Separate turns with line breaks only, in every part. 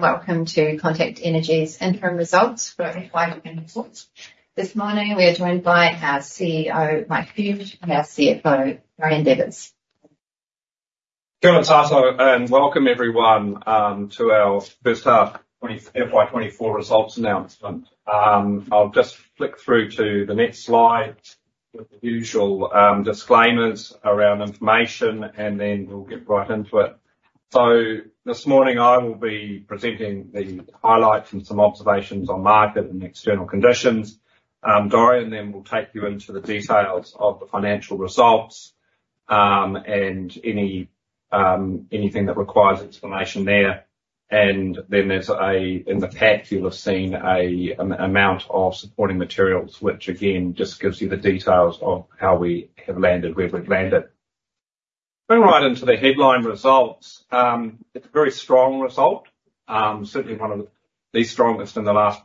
Welcome to Contact Energy's interim results for FY 2024. This morning we are joined by our CEO Mike Fuge and our CFO Dorian Devers.
Good morning and welcome everyone to our FY 2024 results announcement. I'll just flick through to the next slide with the usual disclaimers around information and then we'll get right into it. So this morning I will be presenting the highlights and some observations on market and external conditions. Dorian then will take you into the details of the financial results and anything that requires explanation there. And then there's in the pack you'll have seen an amount of supporting materials which again just gives you the details of how we have landed, where we've landed. Going right into the headline results, it's a very strong result, certainly one of the strongest in the last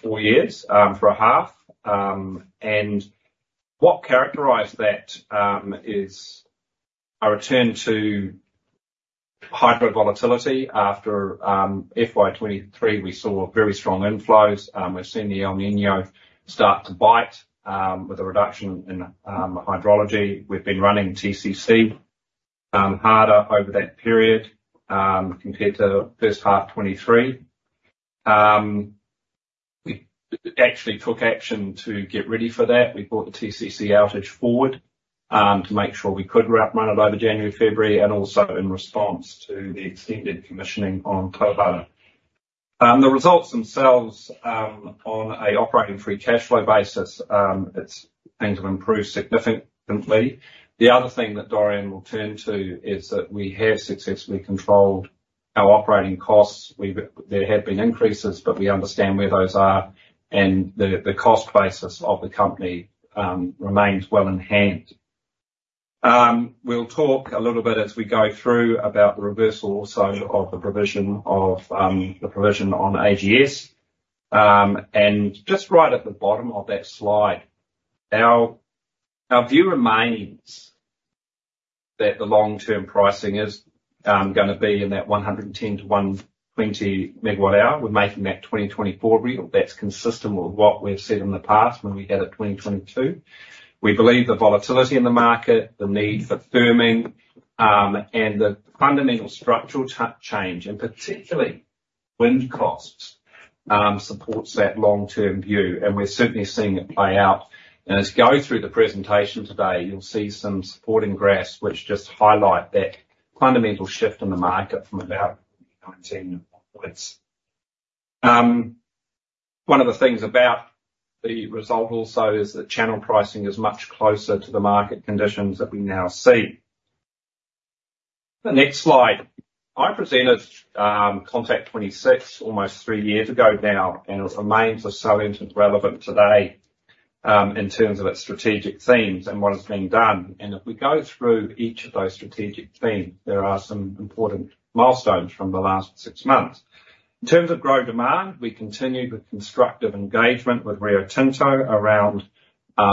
four years for a half. And what characterized that is a return to hydro volatility. After FY 2023 we saw very strong inflows. We've seen the El Niño start to bite with a reduction in hydrology. We've been running TCC harder over that period compared to first half 2023. We actually took action to get ready for that. We brought the TCC outage forward to make sure we could run it over January, February, and also in response to the extended commissioning on Tauhara. The results themselves on an operating free cash flow basis, things have improved significantly. The other thing that Dorian will turn to is that we have successfully controlled our operating costs. There have been increases but we understand where those are and the cost basis of the company remains well in hand. We'll talk a little bit as we go through about the reversal also of the provision on AGS. And just right at the bottom of that slide, our view remains that the long-term pricing is going to be in that 110-120/MWh. We're making that 2024 real. That's consistent with what we've said in the past when we had it 2022. We believe the volatility in the market, the need for firming, and the fundamental structural change, and particularly wind costs, supports that long-term view. And we're certainly seeing it play out. And as you go through the presentation today you'll see some supporting graphs which just highlight that fundamental shift in the market from about 2019 onwards. One of the things about the result also is that channel pricing is much closer to the market conditions that we now see. The next slide, I presented Contact26 almost three years ago now and it remains so relevant today in terms of its strategic themes and what has been done. And if we go through each of those strategic themes, there are some important milestones from the last six months. In terms of growth demand, we continue the constructive engagement with Rio Tinto around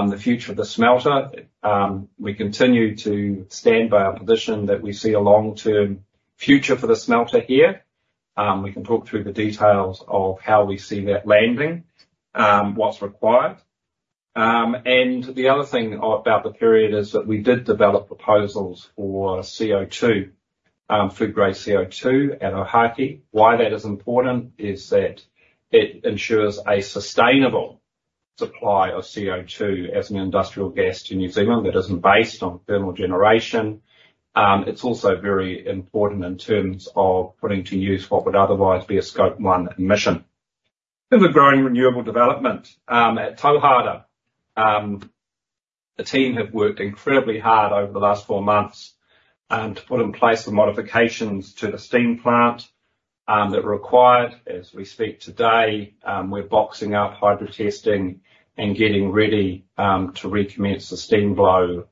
the future of the smelter. We continue to stand by our position that we see a long-term future for the smelter here. We can talk through the details of how we see that landing, what's required. The other thing about the period is that we did develop proposals for CO2, food-grade CO2, at Ohaaki. Why that is important is that it ensures a sustainable supply of CO2 as an industrial gas to New Zealand that isn't based on thermal generation. It's also very important in terms of putting to use what would otherwise be a Scope 1 emission. Then the growing renewable development. At Tauhara, the team have worked incredibly hard over the last four months to put in place the modifications to the steam plant that are required. As we speak today, we're boxing up hydro testing and getting ready to recommence the steam blow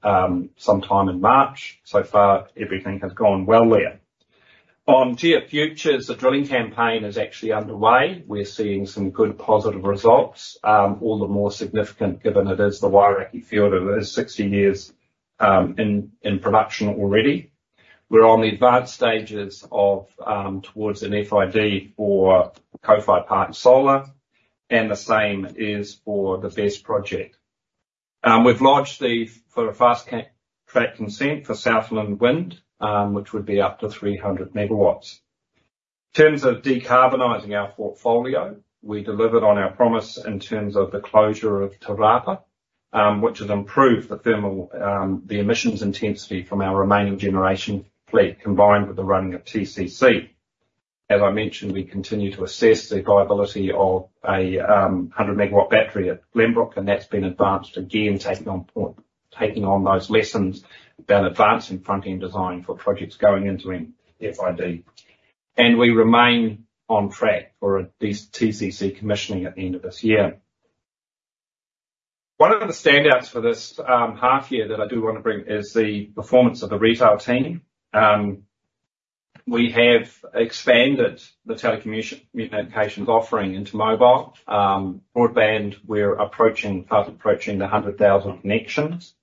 sometime in March. So far everything has gone well there. On GeoFuture, the drilling campaign is actually underway. We're seeing some good positive results, all the more significant given it is the Wairakei field that is 60 years in production already. We're on the advanced stages towards an FID for co-fired part solar and the same is for the BESS project. We've launched the Fast Track Consent for Southland Wind which would be up to 300 MW. In terms of decarbonizing our portfolio, we delivered on our promise in terms of the closure of Te Rapa which has improved the emissions intensity from our remaining generation fleet combined with the running of TCC. As I mentioned, we continue to assess the viability of a 100 MW battery at Glenbrook and that's been advanced again, taking on those lessons about advancing front-end design for projects going into an FID. We remain on track for a TCC commissioning at the end of this year. One of the standouts for this half year that I do want to bring is the performance of the retail team. We have expanded the telecommunications offering into mobile. Broadband, we're fast approaching the 100,000 connections.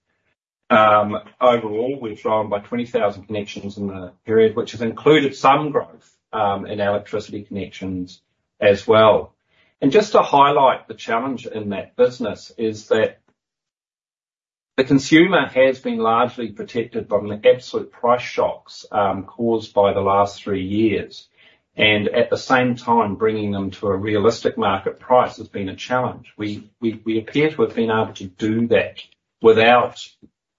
Overall, we've grown by 20,000 connections in the period which has included some growth in electricity connections as well. Just to highlight the challenge in that business is that the consumer has been largely protected from the absolute price shocks caused by the last three years. At the same time, bringing them to a realistic market price has been a challenge. We appear to have been able to do that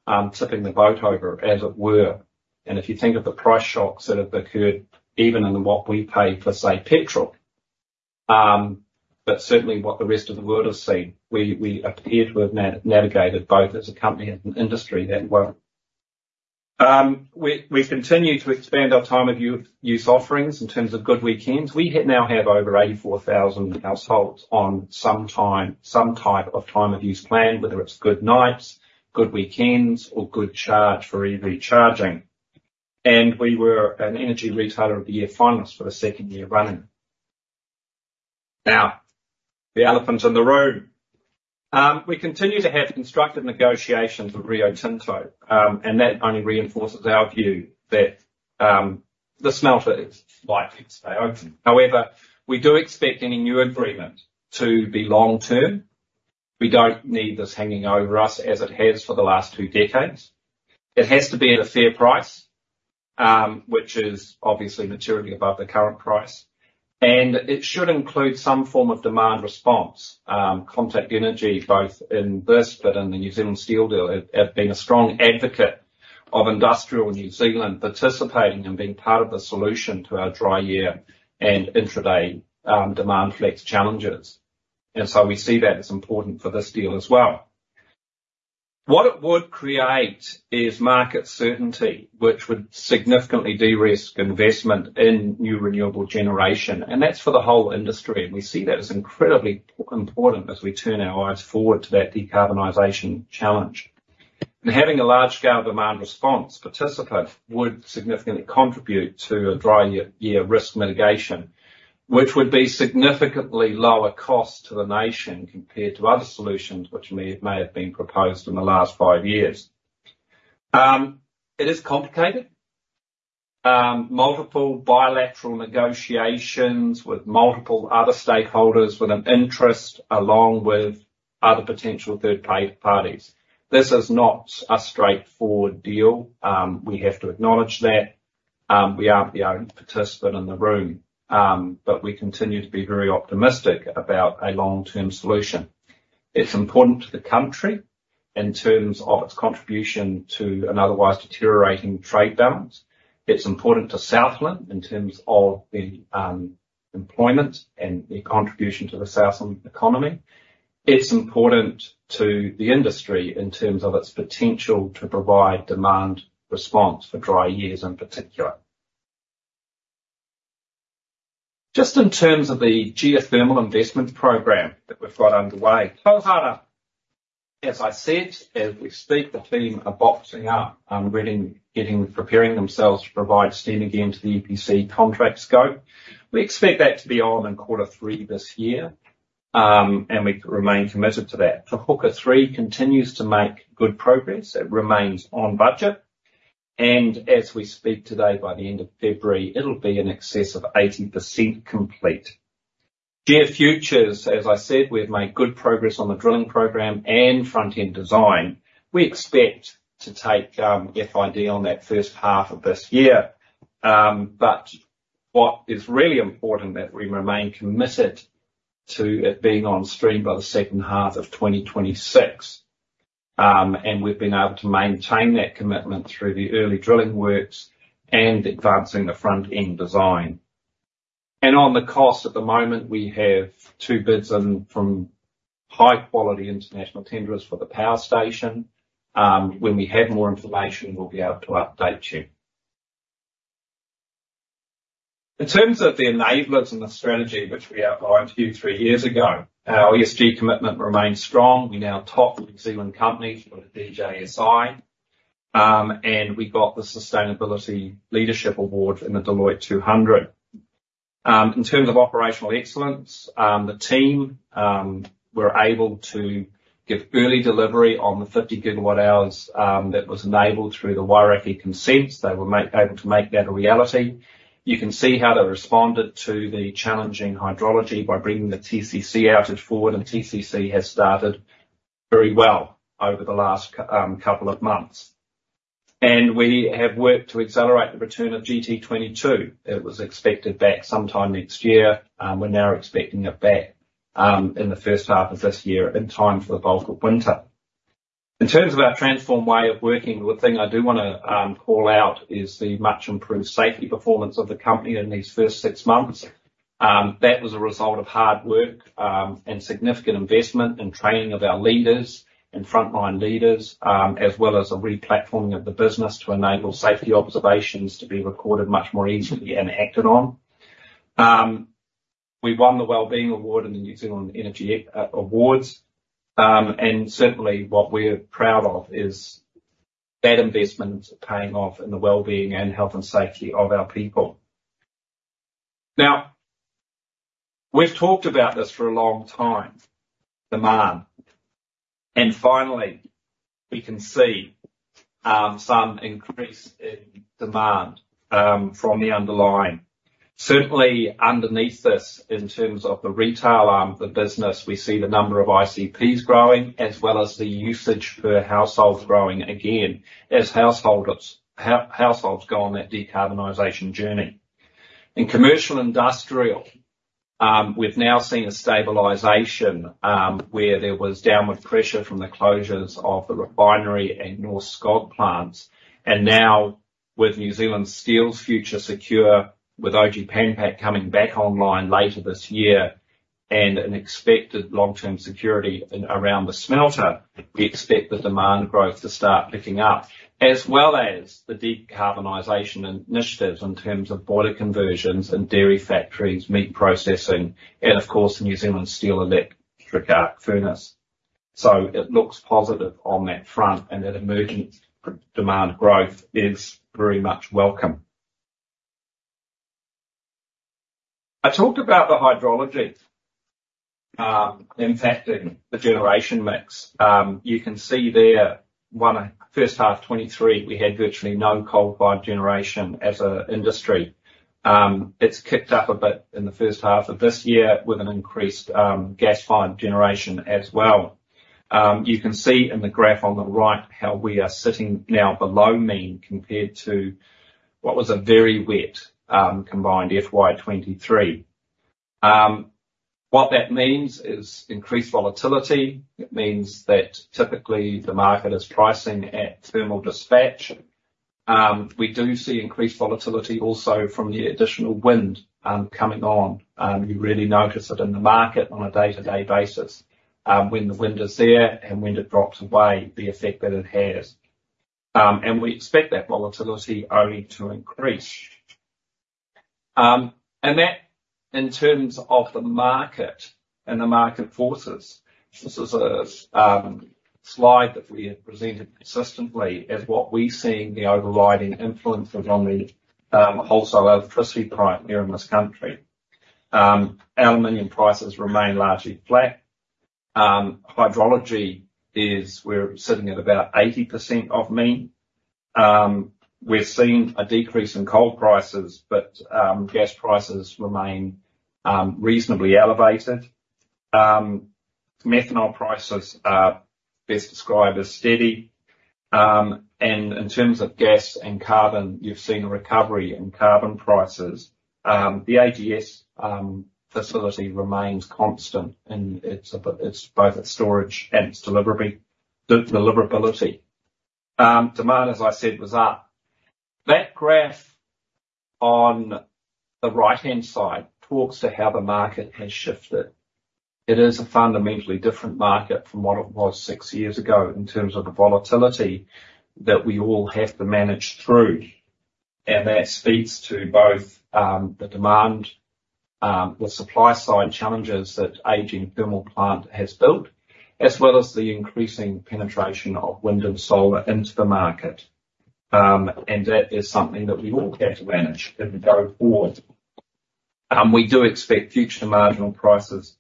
without tipping the boat over, as it were. If you think of the price shocks that have occurred even in what we pay for, say, petrol, but certainly what the rest of the world has seen, we appear to have navigated both as a company and an industry that well. We continue to expand our time-of-use offerings in terms of Good Weekends. We now have over 84,000 households on some type of time-of-use plan whether it's Good Nights, Good Weekends, or Good Charge for EV charging. We were an Energy Retailer of the Year finalist for the second year running. Now, the elephants in the room. We continue to have constructive negotiations with Rio Tinto and that only reinforces our view that the smelter is likely to stay open. However, we do expect any new agreement to be long-term. We don't need this hanging over us as it has for the last two decades. It has to be at a fair price which is obviously materially above the current price. It should include some form of demand response. Contact Energy, both in BlueScope but in the New Zealand Steel deal, have been a strong advocate of industrial New Zealand participating and being part of the solution to our dry year and intraday demand flex challenges. So we see that as important for this deal as well. What it would create is market certainty which would significantly de-risk investment in new renewable generation. That's for the whole industry. We see that as incredibly important as we turn our eyes forward to that decarbonization challenge. Having a large-scale demand response participant would significantly contribute to a Dry Year Risk mitigation which would be significantly lower cost to the nation compared to other solutions which may have been proposed in the last five years. It is complicated. Multiple bilateral negotiations with multiple other stakeholders with an interest along with other potential third-party parties. This is not a straightforward deal. We have to acknowledge that. We aren't the only participant in the room. But we continue to be very optimistic about a long-term solution. It's important to the country in terms of its contribution to an otherwise deteriorating trade balance. It's important to Southland in terms of the employment and the contribution to the Southland economy. It's important to the industry in terms of its potential to provide demand response for dry years in particular. Just in terms of the geothermal investment program that we've got underway, Tauhara, as I said, as we speak, the team are boxing up, getting preparing themselves to provide steam again to the EPC contract scope. We expect that to be on in quarter three this year and we remain committed to that. Te Huka 3 continues to make good progress. It remains on budget. And as we speak today, by the end of February, it'll be in excess of 80% complete. GeoFuture, as I said, we've made good progress on the drilling program and front-end design. We expect to take FID on that first half of this year. But what is really important is that we remain committed to it being on stream by the second half of 2026. And we've been able to maintain that commitment through the early drilling works and advancing the front-end design. On the cost at the moment, we have two bids in from high-quality international tenders for the power station. When we have more information, we'll be able to update you. In terms of the enablers and the strategy which we outlined to you three years ago, our ESG commitment remains strong. We now top New Zealand companies with a DJSI. We got the Sustainability Leadership Award in the Deloitte 200. In terms of operational excellence, the team were able to give early delivery on the 50 GWh that was enabled through the Wairakei consents. They were able to make that a reality. You can see how they responded to the challenging hydrology by bringing the TCC outage forward. TCC has started very well over the last couple of months. We have worked to accelerate the return of GT22. It was expected back sometime next year. We're now expecting it back in the first half of this year in time for the bulk of winter. In terms of our transformed way of working, the thing I do want to call out is the much improved safety performance of the company in these first six months. That was a result of hard work and significant investment and training of our leaders and frontline leaders as well as a replatforming of the business to enable safety observations to be recorded much more easily and acted on. We won the Wellbeing Award in the New Zealand Energy Awards. And certainly what we're proud of is that investment paying off in the wellbeing and health and safety of our people. Now, we've talked about this for a long time, demand. And finally, we can see some increase in demand from the underlying. Certainly underneath this, in terms of the retail arm of the business, we see the number of ICPs growing as well as the usage per household growing again as households go on that decarbonization journey. In commercial and industrial, we've now seen a stabilization where there was downward pressure from the closures of the refinery and Norske Skog plants. And now with New Zealand Steel's Future Steel, with Oji, Pan Pac coming back online later this year and an expected long-term security around the smelter, we expect the demand growth to start picking up as well as the decarbonization initiatives in terms of boiler conversions and dairy factories, meat processing, and of course the New Zealand Steel electric arc furnace. So it looks positive on that front and that emergent demand growth is very much welcome. I talked about the hydrology impacting the generation mix. You can see there first half 2023, we had virtually no coal-fired generation as an industry. It's kicked up a bit in the first half of this year with an increased gas-fired generation as well. You can see in the graph on the right how we are sitting now below mean compared to what was a very wet combined FY 2023. What that means is increased volatility. It means that typically the market is pricing at thermal dispatch. We do see increased volatility also from the additional wind coming on. You really notice it in the market on a day-to-day basis when the wind is there and when it drops away, the effect that it has. We expect that volatility only to increase. That in terms of the market and the market forces, this is a slide that we have presented consistently as what we're seeing the overriding influences on the wholesale electricity primary in this country. Aluminum prices remain largely flat. Hydrology, we're sitting at about 80% of mean. We're seeing a decrease in coal prices but gas prices remain reasonably elevated. Methanol prices are best described as steady. And in terms of gas and carbon, you've seen a recovery in carbon prices. The AGS facility remains constant in both its storage and its deliverability. Demand, as I said, was up. That graph on the right-hand side talks to how the market has shifted. It is a fundamentally different market from what it was six years ago in terms of the volatility that we all have to manage through. That speaks to both the demand, the supply-side challenges that aging thermal plant has built as well as the increasing penetration of wind and solar into the market. That is something that we all have to manage in the go forward. We do expect future marginal prices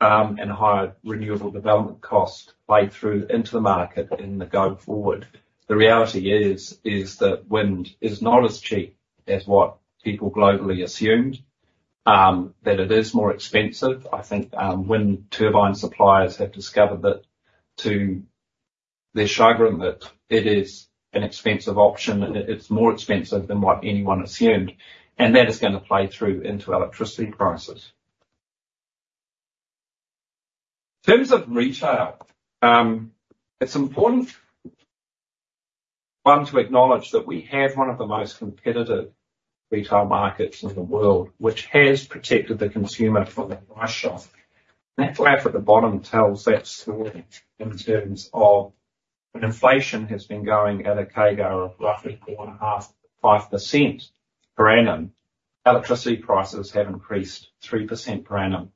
and higher renewable development costs played through into the market in the go forward. The reality is that wind is not as cheap as what people globally assumed. That it is more expensive. I think wind turbine suppliers have discovered that to their chagrin that it is an expensive option. It's more expensive than what anyone assumed. That is going to play through into electricity prices. In terms of retail, it's important to acknowledge that we have one of the most competitive retail markets in the world which has protected the consumer from the price shock. That graph at the bottom tells that story in terms of when inflation has been going at a CAGR of roughly 4.5-5% per annum, electricity prices have increased 3% per annum.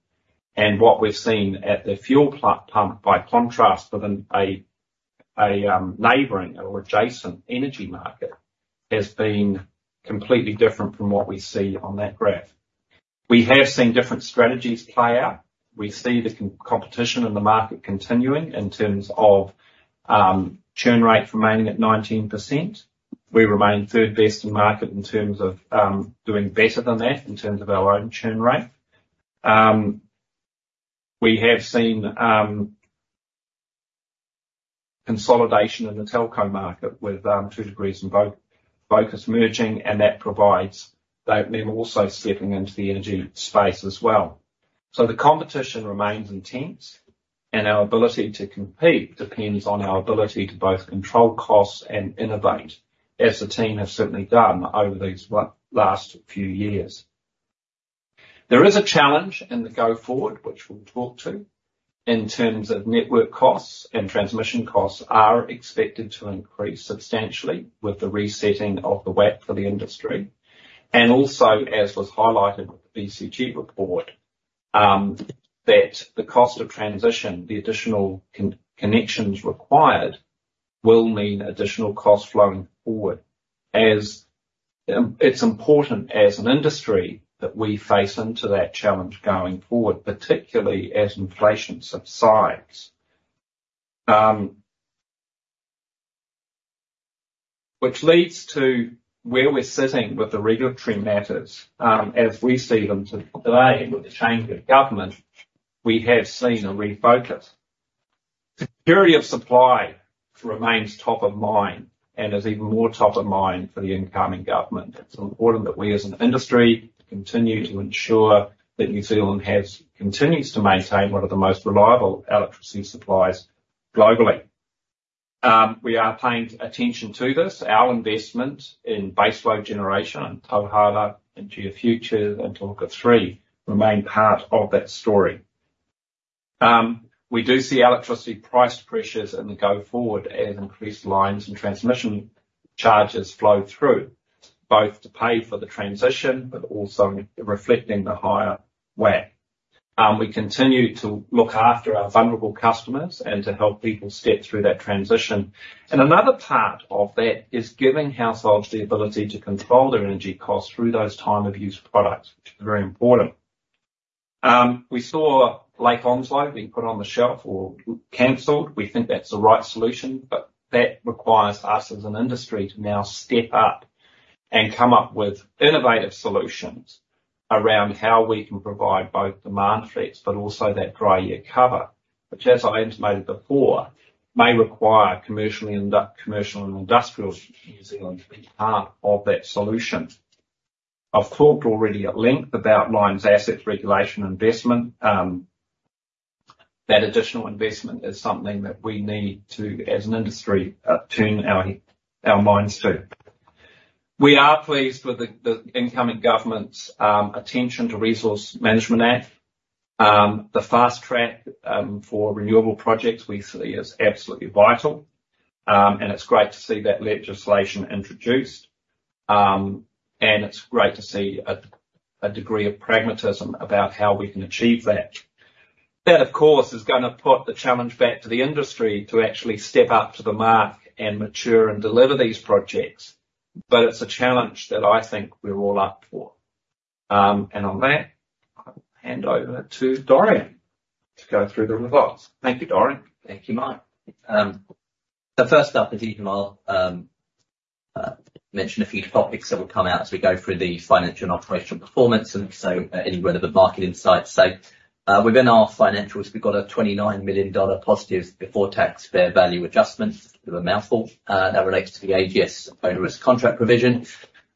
What we've seen at the fuel pump by contrast within a neighbouring or adjacent energy market has been completely different from what we see on that graph. We have seen different strategies play out. We see the competition in the market continuing in terms of churn rate remaining at 19%. We remain third best in market in terms of doing better than that in terms of our own churn rate. We have seen consolidation in the telco market with 2degrees and Vocus merging. And that provides them also stepping into the energy space as well. So the competition remains intense. Our ability to compete depends on our ability to both control costs and innovate as the team has certainly done over these last few years. There is a challenge in the go forward which we'll talk to in terms of network costs and transmission costs, which are expected to increase substantially with the resetting of the WACC for the industry. Also as was highlighted with the BCG report, that the cost of transition, the additional connections required will mean additional costs flowing forward. It's important as an industry that we face into that challenge going forward, particularly as inflation subsides, which leads to where we're sitting with the regulatory matters as we see them today and with the change of government, we have seen a refocus. Security of supply remains top of mind and is even more top of mind for the incoming government. It's important that we as an industry continue to ensure that New Zealand continues to maintain one of the most reliable electricity supplies globally. We are paying attention to this. Our investment in baseload generation in Tauhara and GeoFuture and Te Huka 3 remain part of that story. We do see electricity price pressures in the go forward as increased lines and transmission charges flow through both to pay for the transition but also reflecting the higher WACC. We continue to look after our vulnerable customers and to help people step through that transition. And another part of that is giving households the ability to control their energy costs through those time-of-use products which is very important. We saw Lake Onslow being put on the shelf or cancelled. We think that's the right solution. But that requires us as an industry to now step up and come up with innovative solutions around how we can provide both demand threats but also that dry year cover which as I anticipated before may require commercial and industrial New Zealand to be part of that solution. I've talked already at length about lines, assets, regulation, investment. That additional investment is something that we need to as an industry turn our minds to. We are pleased with the incoming government's attention to Resource Management Act. The Fast Track for renewable projects we see is absolutely vital. It's great to see that legislation introduced. It's great to see a degree of pragmatism about how we can achieve that. That of course is going to put the challenge back to the industry to actually step up to the mark and mature and deliver these projects. But it's a challenge that I think we're all up for. And on that, I'll hand over to Dorian to go through the results. Thank you, Dorian.
Thank you, Mike. So first up, again, I'll mention a few topics that will come out as we go through the financial and operational performance and so any relevant market insights. So within our financials, we've got a 29 million dollar positive before-tax fair value adjustment. It's a bit of a mouthful that relates to the AGS onerous contract provision.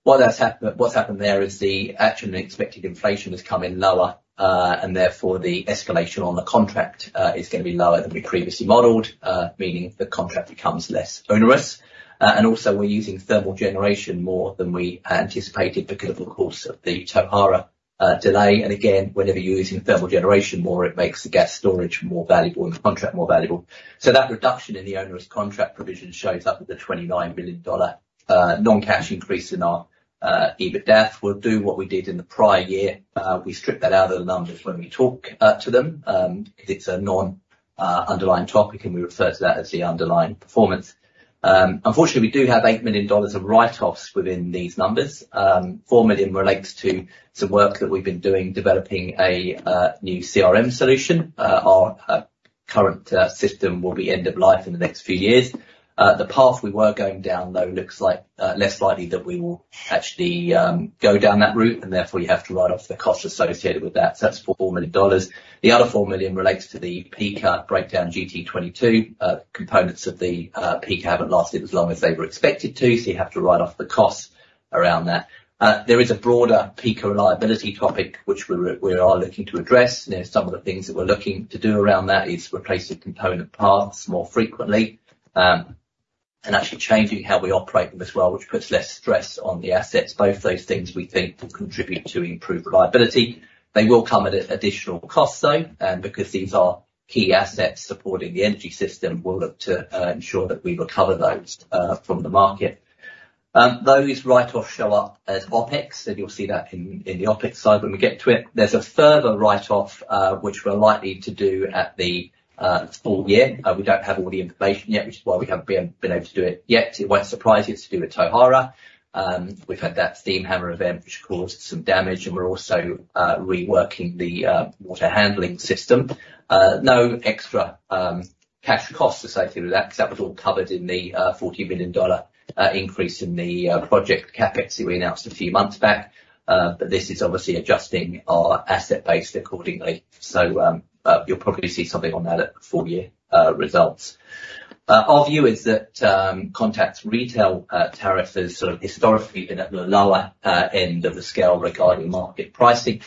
What's happened there is the actual expected inflation has come in lower and therefore the escalation on the contract is going to be lower than we previously modeled meaning the contract becomes less onerous. And also we're using thermal generation more than we anticipated because of the course of the Tauhara delay. And again, whenever you're using thermal generation more, it makes the gas storage more valuable and the contract more valuable. So that reduction in the onerous contract provision shows up with the 29 million dollar non-cash increase in our EBITDA. We'll do what we did in the prior year. We strip that out of the numbers when we talk to them because it's a non-underlying topic and we refer to that as the underlying performance. Unfortunately, we do have 8 million dollars of write-offs within these numbers. 4 million relates to some work that we've been doing developing a new CRM solution. Our current system will be end of life in the next few years. The path we were going down though looks like less likely that we will actually go down that route and therefore you have to write off the costs associated with that. So that's 4 million dollars. The other 4 million relates to the eaker breakdown GT22. Components of the peaker haven't lasted as long as they were expected to so you have to write off the costs around that. There is a broader peaker reliability topic which we are looking to address. Some of the things that we're looking to do around that is replacing component parts more frequently and actually changing how we operate them as well which puts less stress on the assets. Both those things we think will contribute to improve reliability. They will come at additional costs though because these are key assets supporting the energy system. We'll look to ensure that we recover those from the market. Those write-offs show up as OpEx and you'll see that in the OpEx side when we get to it. There's a further write-off which we're likely to do at the full year. We don't have all the information yet, which is why we haven't been able to do it yet. It won't surprise you to do it at Tauhara. We've had that steam hammer event which caused some damage and we're also reworking the water handling system. No extra cash costs associated with that because that was all covered in the 40 million dollar increase in the project CapEx that we announced a few months back. But this is obviously adjusting our asset base accordingly. So you'll probably see something on that at the full year results. Our view is that Contact retail tariff has sort of historically been at the lower end of the scale regarding market pricing.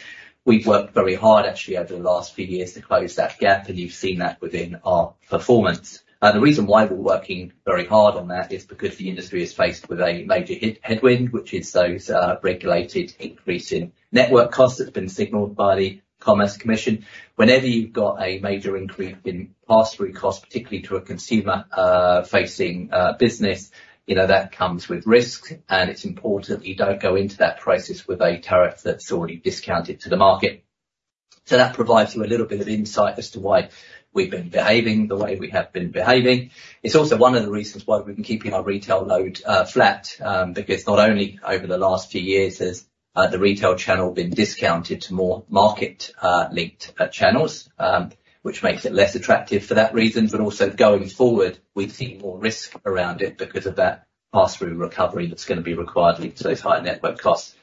We've worked very hard actually over the last few years to close that gap and you've seen that within our performance. The reason why we're working very hard on that is because the industry is faced with a major headwind which is those regulated increase in network costs that's been signaled by the Commerce Commission. Whenever you've got a major increase in pass-through costs particularly to a consumer-facing business, that comes with risks. It's important that you don't go into that process with a tariff that's already discounted to the market. That provides you a little bit of insight as to why we've been behaving the way we have been behaving. It's also one of the reasons why we've been keeping our retail load flat because not only over the last few years has the retail channel been discounted to more market-linked channels which makes it less attractive for that reason but also going forward we've seen more risk around it because of that pass-through recovery that's going to be required linked to those higher network costs.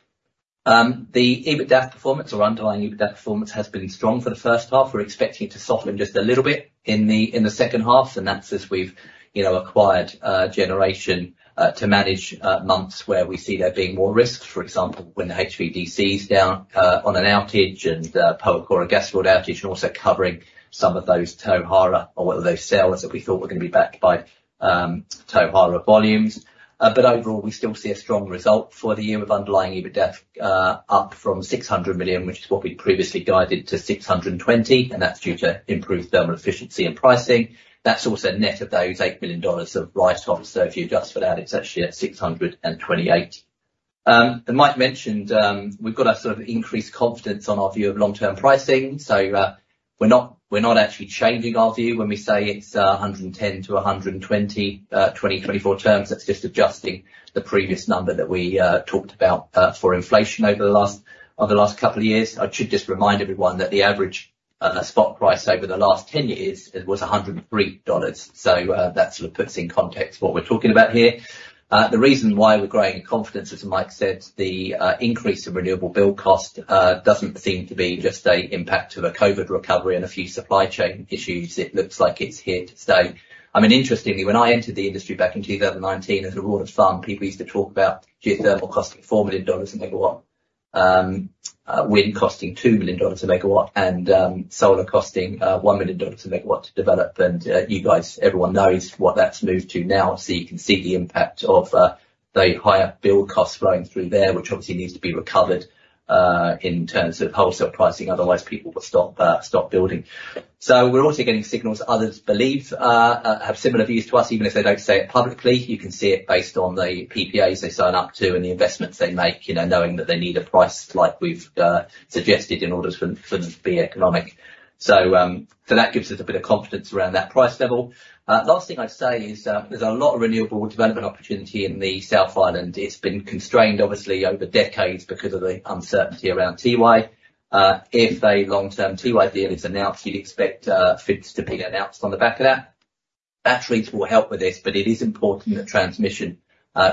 The EBITDA performance or underlying EBITDA performance has been strong for the first half. We're expecting it to soften just a little bit in the second half. That's as we've acquired generation to manage months where we see there being more risks. For example, when the HVDC's down on an outage and Pohokura Gas Field outage and also covering some of those Tauhara or whatever those sellers that we thought were going to be backed by Tauhara volumes. But overall, we still see a strong result for the year with underlying EBITDA up from 600 million which is what we'd previously guided to 620. And that's due to improved thermal efficiency and pricing. That's also net of those 8 million dollars of write-offs. So if you adjust for that, it's actually at 628. And Mike mentioned we've got a sort of increased confidence on our view of long-term pricing. So we're not actually changing our view when we say it's 110-120 2024 terms. That's just adjusting the previous number that we talked about for inflation over the last couple of years. I should just remind everyone that the average spot price over the last 10 years was 103 dollars. So that sort of puts in context what we're talking about here. The reason why we're growing in confidence is, as Mike said, the increase in renewable build cost doesn't seem to be just the impact of a COVID recovery and a few supply chain issues. It looks like it's here to stay. I mean, interestingly, when I entered the industry back in 2019 as a ward of farm, people used to talk about geothermal costing 4 million dollars a megawatt, wind costing 2 million dollars a megawatt, and solar costing 1 million dollars a megawatt to develop. And you guys, everyone knows what that's moved to now. You can see the impact of the higher build costs flowing through there which obviously needs to be recovered in terms of wholesale pricing. Otherwise, people will stop building. We're also getting signals others believe have similar views to us even if they don't say it publicly. You can see it based on the PPAs they sign up to and the investments they make knowing that they need a price like we've suggested in order for them to be economic. So that gives us a bit of confidence around that price level. Last thing I'd say is there's a lot of renewable development opportunity in the South Island. It's been constrained obviously over decades because of the uncertainty around Tiwai. If a long-term Tiwai deal is announced, you'd expect FIDs to be announced on the back of that. Batteries will help with this. But it is important that transmission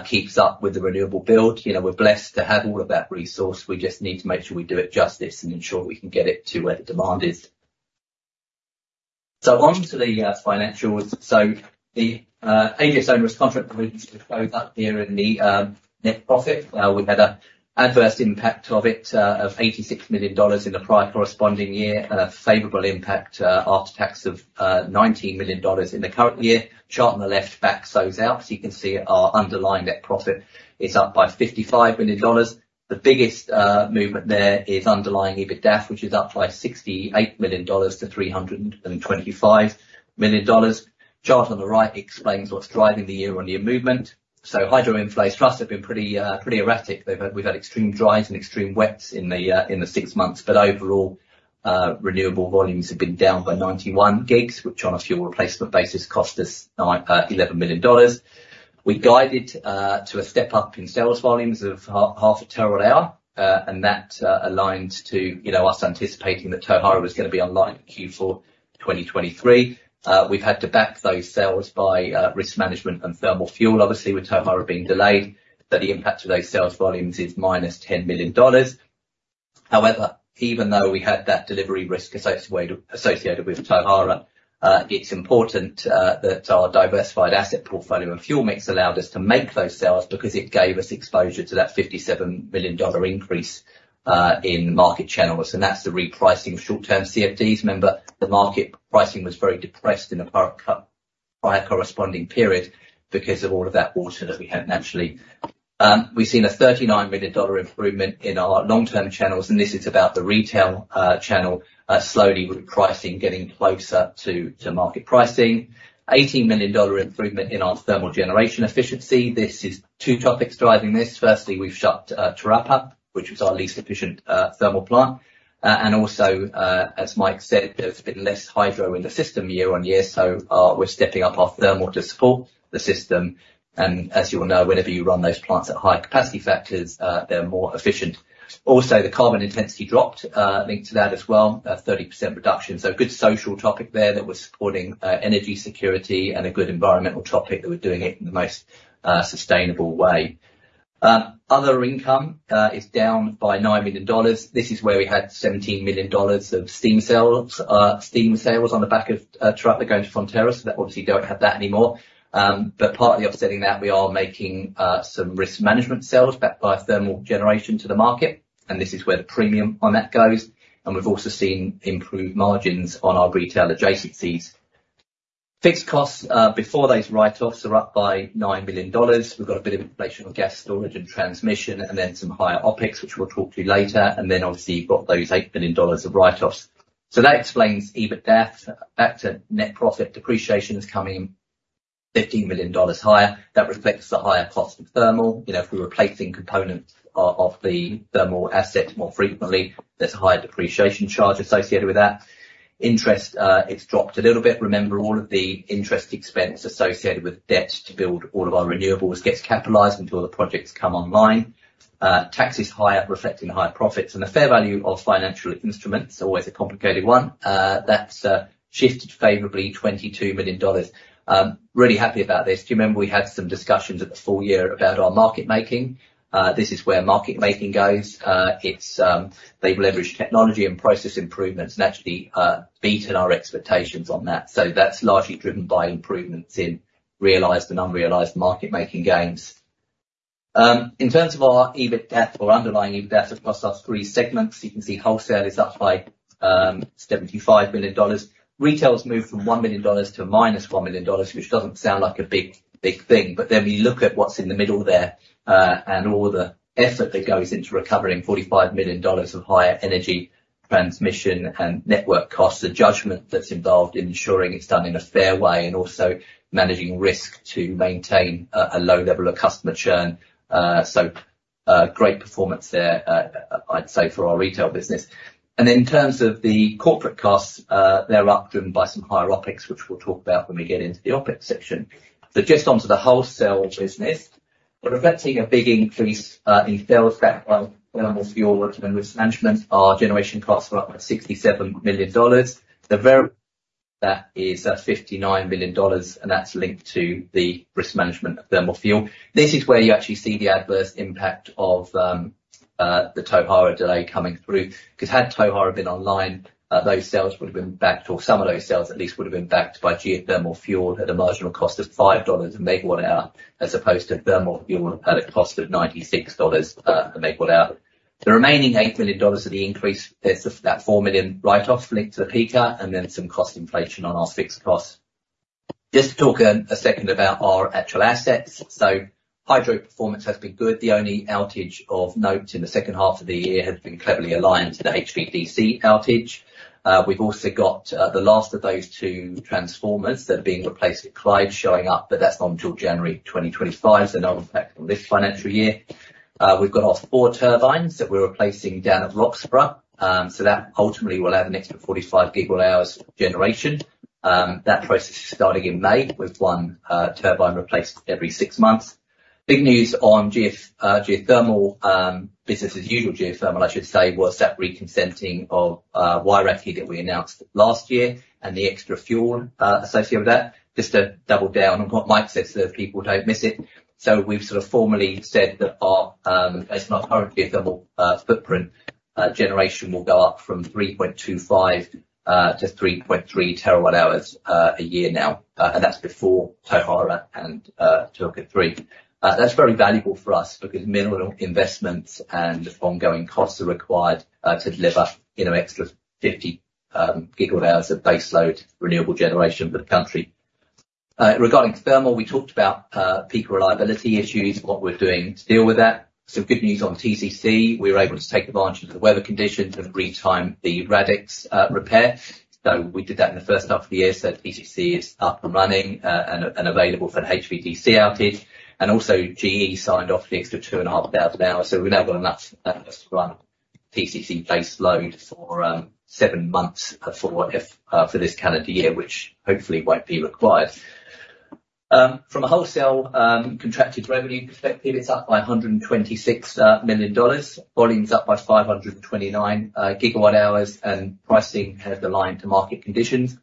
keeps up with the renewable build. We're blessed to have all of that resource. We just need to make sure we do it justice and ensure we can get it to where the demand is. So on to the financials. So the AGS onerous contract provision shows up here in the net profit. We had an adverse impact of it of 86 million dollars in the prior corresponding year, a favorable impact after tax of 19 million dollars in the current year. Chart on the left back shows out. So you can see our underlying net profit is up by 55 million dollars. The biggest movement there is underlying EBITDA which is up by 68 million dollars to 325 million dollars. Chart on the right explains what's driving the year-on-year movement. So hydro inflows for us have been pretty erratic. We've had extreme dries and extreme wets in the six months. But overall, renewable volumes have been down by 91 gigs which on a fuel replacement basis cost us 11 million dollars. We guided to a step up in sales volumes of half a terawatt-hour. That aligned to us anticipating that Tauhara was going to be online in Q4 2023. We've had to back those sales by risk management and thermal fuel. Obviously, with Tauhara being delayed, the impact of those sales volumes is minus 10 million dollars. However, even though we had that delivery risk associated with Tauhara, it's important that our diversified asset portfolio and fuel mix allowed us to make those sales because it gave us exposure to that 57 million dollar increase in market channels. And that's the repricing of short-term CFDs. Remember, the market pricing was very depressed in the prior corresponding period because of all of that water that we had naturally. We've seen a 39 million dollar improvement in our long-term channels. And this is about the retail channel slowly repricing, getting closer to market pricing. 18 million dollar improvement in our thermal generation efficiency. This is two topics driving this. Firstly, we've shut Te Rapa which was our least efficient thermal plant. Also, as Mike said, there's been less hydro in the system year-on-year. So we're stepping up our thermal to support the system. And as you'll know, whenever you run those plants at high capacity factors, they're more efficient. Also, the carbon intensity dropped, linked to that as well, a 30% reduction. So a good social topic there that was supporting energy security and a good environmental topic that we're doing it in the most sustainable way. Other income is down by 9 million dollars. This is where we had 17 million dollars of steam sales on the back of Te Rapa going to Fonterra. So that obviously don't have that anymore. But partly offsetting that, we are making some risk management sales backed by thermal generation to the market. And this is where the premium on that goes. We've also seen improved margins on our retail adjacencies. Fixed costs before those write-offs are up by 9 million dollars. We've got a bit of inflation on gas storage and transmission and then some higher OPEX which we'll talk to later. Then obviously, you've got those 8 million dollars of write-offs. That explains EBITDA back to net profit depreciations coming in 15 million dollars higher. That reflects the higher cost of thermal. If we're replacing components of the thermal asset more frequently, there's a higher depreciation charge associated with that. Interest, it's dropped a little bit. Remember, all of the interest expense associated with debt to build all of our renewables gets capitalized until the projects come online. Tax is higher reflecting higher profits. The fair value of financial instruments, always a complicated one, that's shifted favorably 22 million dollars. Really happy about this. Do you remember we had some discussions at the full year about our market making? This is where market making goes. They've leveraged technology and process improvements and actually beaten our expectations on that. So that's largely driven by improvements in realised and unrealised market making gains. In terms of our EBITDA or underlying EBITDA across our three segments, you can see wholesale is up by 75 million dollars. Retail's moved from 1 million dollars to minus 1 million dollars which doesn't sound like a big, big thing. But then we look at what's in the middle there and all the effort that goes into recovering 45 million dollars of higher energy, transmission, and network costs, the judgment that's involved in ensuring it's done in a fair way and also managing risk to maintain a low level of customer churn. So great performance there, I'd say, for our retail business. Then in terms of the corporate costs, they're up driven by some higher OPEX which we'll talk about when we get into the OPEX section. So just onto the wholesale business, we're reflecting a big increase in sales backed by thermal fuel and risk management. Our generation costs are up by 67 million dollars. That is 59 million dollars. And that's linked to the risk management of thermal fuel. This is where you actually see the adverse impact of the Tauhara delay coming through because had Tauhara been online, those sales would have been backed or some of those sales at least would have been backed by geothermal fuel at a marginal cost of 5 dollars/MWh as opposed to thermal fuel at a cost of 96 dollars/MWh. The remaining 8 million dollars of the increase, that 4 million write-off linked to the Peaker and then some cost inflation on our fixed costs. Just to talk a second about our actual assets. So hydro performance has been good. The only outage of note in the second half of the year has been cleverly aligned to the HVDC outage. We've also got the last of those two transformers that are being replaced at Clyde showing up. But that's not until January 2025. So no impact on this financial year. We've got our four turbines that we're replacing down at Roxburgh. So that ultimately will add an extra 45 GWh generation. That process is starting in May with one turbine replaced every six months. Big news on geothermal business as usual, geothermal, I should say, was that reconsenting of Wairakei that we announced last year and the extra fuel associated with that. Just to double down on what Mike said so that people don't miss it. We've sort of formally said that based on our current geothermal footprint, generation will go up from 3.25-3.3 terawatt-hours a year now. And that's before Tauhara and Te Huka 3. That's very valuable for us because minimal investments and ongoing costs are required to deliver an extra 50 gigawatt-hours of baseload renewable generation for the country. Regarding thermal, we talked about peaker reliability issues, what we're doing to deal with that. Some good news on TCC. We were able to take advantage of the weather conditions and retime the Radex repair. So we did that in the first half of the year. TCC is up and running and available for an HVDC outage. Also, GE signed off the extra 2,500 hours. We've now got enough to run TCC base load for seven months for this calendar year, which hopefully won't be required. From a wholesale contracted revenue perspective, it's up by 126 million dollars. Volume's up by 529 GWh. And pricing has aligned to market conditions.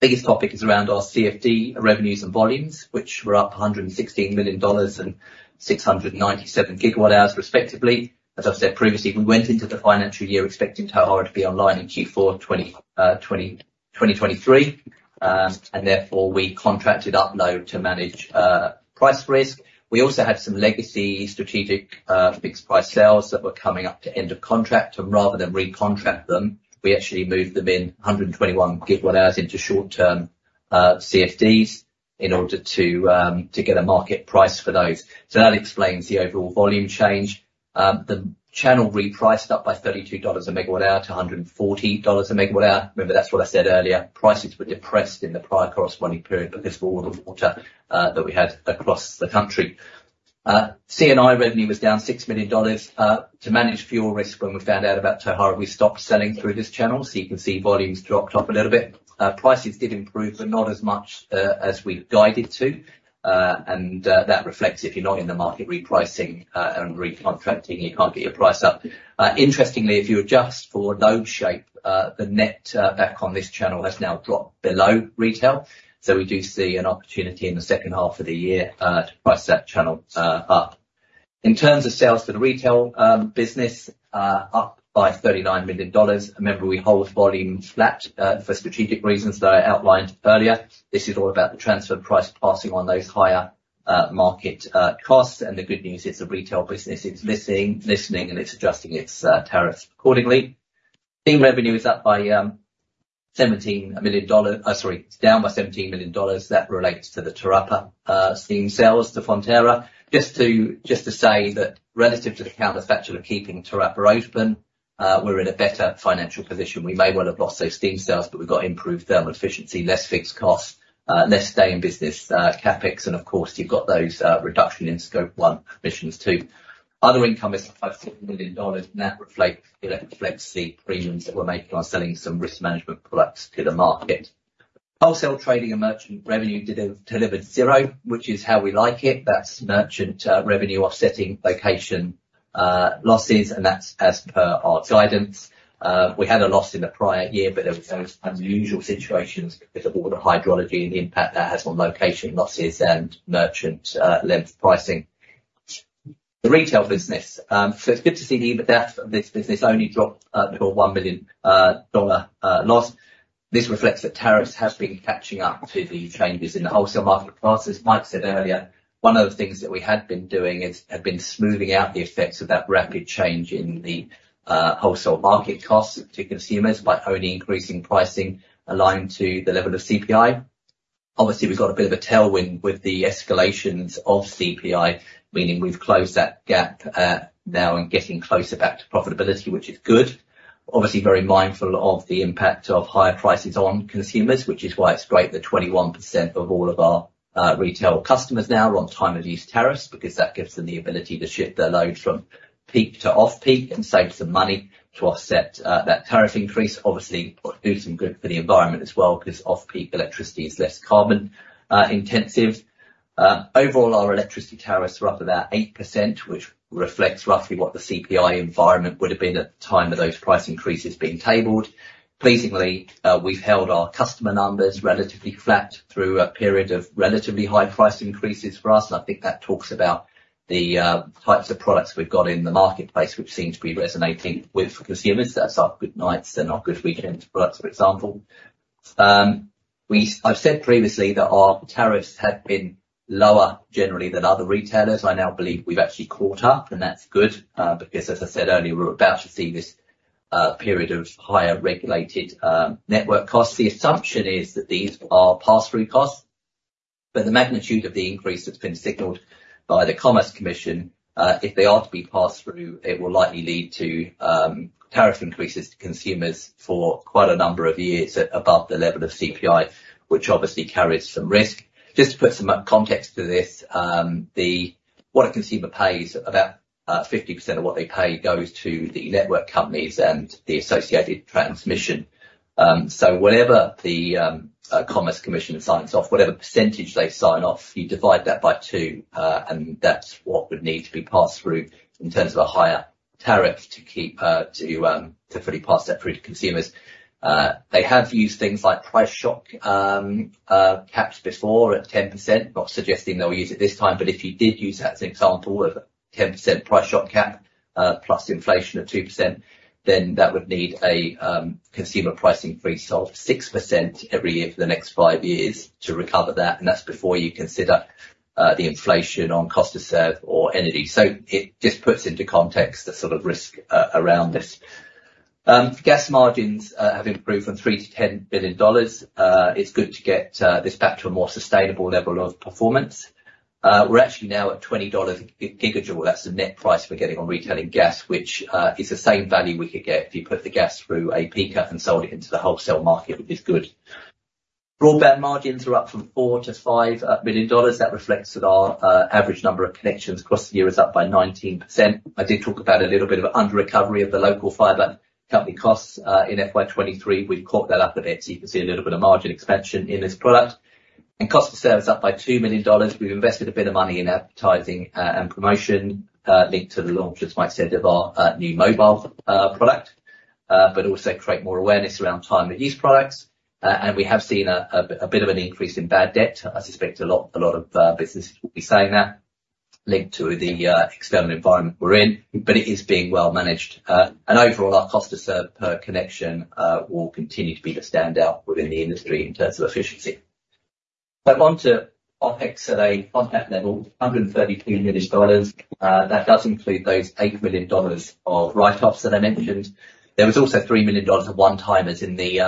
Biggest topic is around our CFD revenues and volumes, which were up 116 million dollars and 697 GWh respectively. As I've said previously, we went into the financial year expecting Tauhara to be online in Q4 2023. Therefore, we contracted upload to manage price risk. We also had some legacy strategic fixed-price sales that were coming up to end of contract. Rather than recontract them, we actually moved them in 121 GWh into short-term CFDs in order to get a market price for those. So that explains the overall volume change. The channel repriced up by 32 dollars/MWh to 140 dollars/MWh. Remember, that's what I said earlier. Prices were depressed in the prior corresponding period because of all the water that we had across the country. C&I revenue was down 6 million dollars. To manage fuel risk when we found out about Tauhara, we stopped selling through this channel. So you can see volumes dropped off a little bit. Prices did improve but not as much as we'd guided to. And that reflects if you're not in the market repricing and recontracting, you can't get your price up. Interestingly, if you adjust for load shape, the netback on this channel has now dropped below retail. So we do see an opportunity in the second half of the year to price that channel up. In terms of sales for the retail business, up by 39 million dollars. Remember, we hold volume flat for strategic reasons that I outlined earlier. This is all about the transfer price passing on those higher market costs. And the good news is the retail business is listening and it's adjusting its tariffs accordingly. Steam revenue is up by 17 million dollars sorry, it's down by 17 million dollars. That relates to the Te Rapa steam sales to Fonterra. Just to say that relative to the counterfactual of keeping Te Rapa open, we're in a better financial position. We may well have lost those steam sales. But we've got improved thermal efficiency, less fixed costs, less stay-in-business CAPEX. And of course, you've got those reductions in Scope 1 emissions too. Other income is 500 million dollars. That reflects the premiums that we're making on selling some risk management products to the market. Wholesale trading and merchant revenue delivered 0 which is how we like it. That's merchant revenue offsetting location losses. And that's as per our guidance. We had a loss in the prior year. But there were those unusual situations with all the hydrology and the impact that has on location losses and merchant length pricing. The retail business. So it's good to see the EBITDA of this business only drop before 1 million dollar loss. This reflects that tariffs have been catching up to the changes in the wholesale market prices. Mike said earlier, one of the things that we had been doing had been smoothing out the effects of that rapid change in the wholesale market costs to consumers by only increasing pricing aligned to the level of CPI. Obviously, we've got a bit of a tailwind with the escalations of CPI, meaning we've closed that gap now and getting closer back to profitability, which is good. Obviously, very mindful of the impact of higher prices on consumers, which is why it's great that 21% of all of our retail customers now run time-of-use tariffs because that gives them the ability to shift their load from peak to off-peak and save some money to offset that tariff increase. Obviously, do some good for the environment as well because off-peak electricity is less carbon intensive. Overall, our electricity tariffs are up about 8%, which reflects roughly what the CPI environment would have been at the time of those price increases being tabled. Pleasingly, we've held our customer numbers relatively flat through a period of relatively high price increases for us. And I think that talks about the types of products we've got in the marketplace which seem to be resonating with consumers. That's our Good Nights and our Good Weekends products, for example. I've said previously that our tariffs have been lower generally than other retailers. I now believe we've actually caught up. And that's good because, as I said earlier, we're about to see this period of higher regulated network costs. The assumption is that these are pass-through costs. But the magnitude of the increase that's been signalled by the Commerce Commission, if they are to be passed through, it will likely lead to tariff increases to consumers for quite a number of years above the level of CPI which obviously carries some risk.
Just to put some context to this, what a consumer pays, about 50% of what they pay goes to the network companies and the associated transmission. So whatever the Commerce Commission signs off, whatever percentage they sign off, you divide that by 2. And that's what would need to be passed through in terms of a higher tariff to fully pass that through to consumers. They have used things like price shock caps before at 10%. Not suggesting they'll use it this time. But if you did use that as an example of 10% price shock cap plus inflation of 2%, then that would need a consumer pricing freeze of 6% every year for the next 5 years to recover that. And that's before you consider the inflation on cost of serve or energy. So it just puts into context the sort of risk around this. Gas margins have improved from 3 billion to 10 billion dollars. It's good to get this back to a more sustainable level of performance. We're actually now at 20 dollars a gigajoule. That's the net price we're getting on retailing gas which is the same value we could get if you put the gas through a peaker and sold it into the wholesale market which is good. Broadband margins are up from 4 million to 5 million dollars. That reflects that our average number of connections across the year is up by 19%. I did talk about a little bit of under-recovery of the Local Fiber Company costs in FY 2023. We've caught that up a bit. So you can see a little bit of margin expansion in this product. Cost of serve is up by 2 million dollars. We've invested a bit of money in advertising and promotion linked to the launch, as Mike said, of our new mobile product. Also create more awareness around time-of-use products. We have seen a bit of an increase in bad debt. I suspect a lot of businesses will be saying that linked to the external environment we're in. But it is being well managed. Overall, our cost of serve per connection will continue to be the standout within the industry in terms of efficiency. Onto OpEx at a Contact level, NZD 132 million. That does include those 8 million dollars of write-offs that I mentioned. There was also 3 million dollars of one-timers in the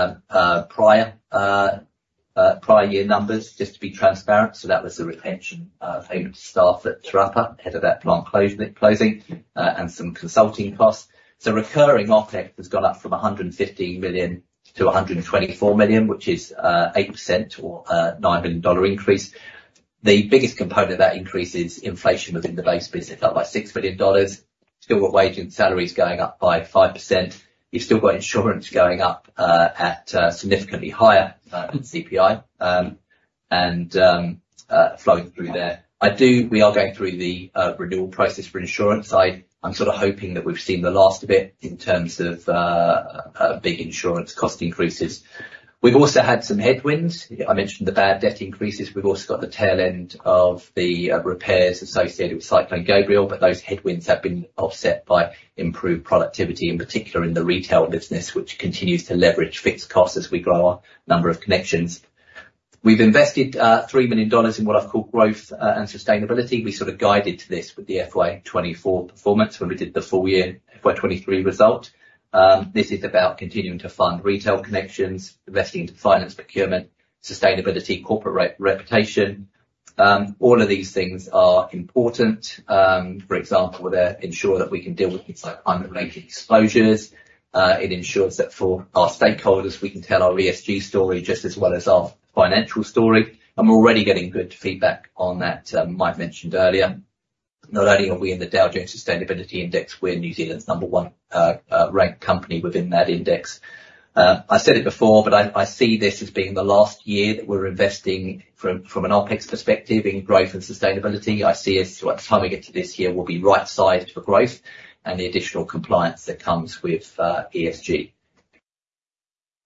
prior year numbers just to be transparent. That was the retention payment to staff at Te Rapa, ahead of that plant closing, and some consulting costs. So recurring OpEx has gone up from 115 million to 124 million which is 8% or a 9 million dollar increase. The biggest component of that increase is inflation within the base business up by 6 million dollars. Still got wages and salaries going up by 5%. You've still got insurance going up at significantly higher than CPI and flowing through there. We are going through the renewal process for insurance. I'm sort of hoping that we've seen the last bit in terms of big insurance cost increases. We've also had some headwinds. I mentioned the bad debt increases. We've also got the tail end of the repairs associated with Cyclone Gabrielle. But those headwinds have been offset by improved productivity in particular in the retail business which continues to leverage fixed costs as we grow our number of connections. We've invested 3 million dollars in what I've called growth and sustainability. We sort of guided to this with the FY 2024 performance when we did the full year FY 2023 result. This is about continuing to fund retail connections, investing into finance procurement, sustainability, corporate reputation. All of these things are important. For example, they ensure that we can deal with things like climate-related exposures. It ensures that for our stakeholders, we can tell our ESG story just as well as our financial story. And we're already getting good feedback on that Mike mentioned earlier. Not only are we in the Dow Jones Sustainability Index, we're New Zealand's number one ranked company within that index. I said it before. But I see this as being the last year that we're investing from an OPEX perspective in growth and sustainability. I see us at the time we get to this year will be right-sized for growth and the additional compliance that comes with ESG.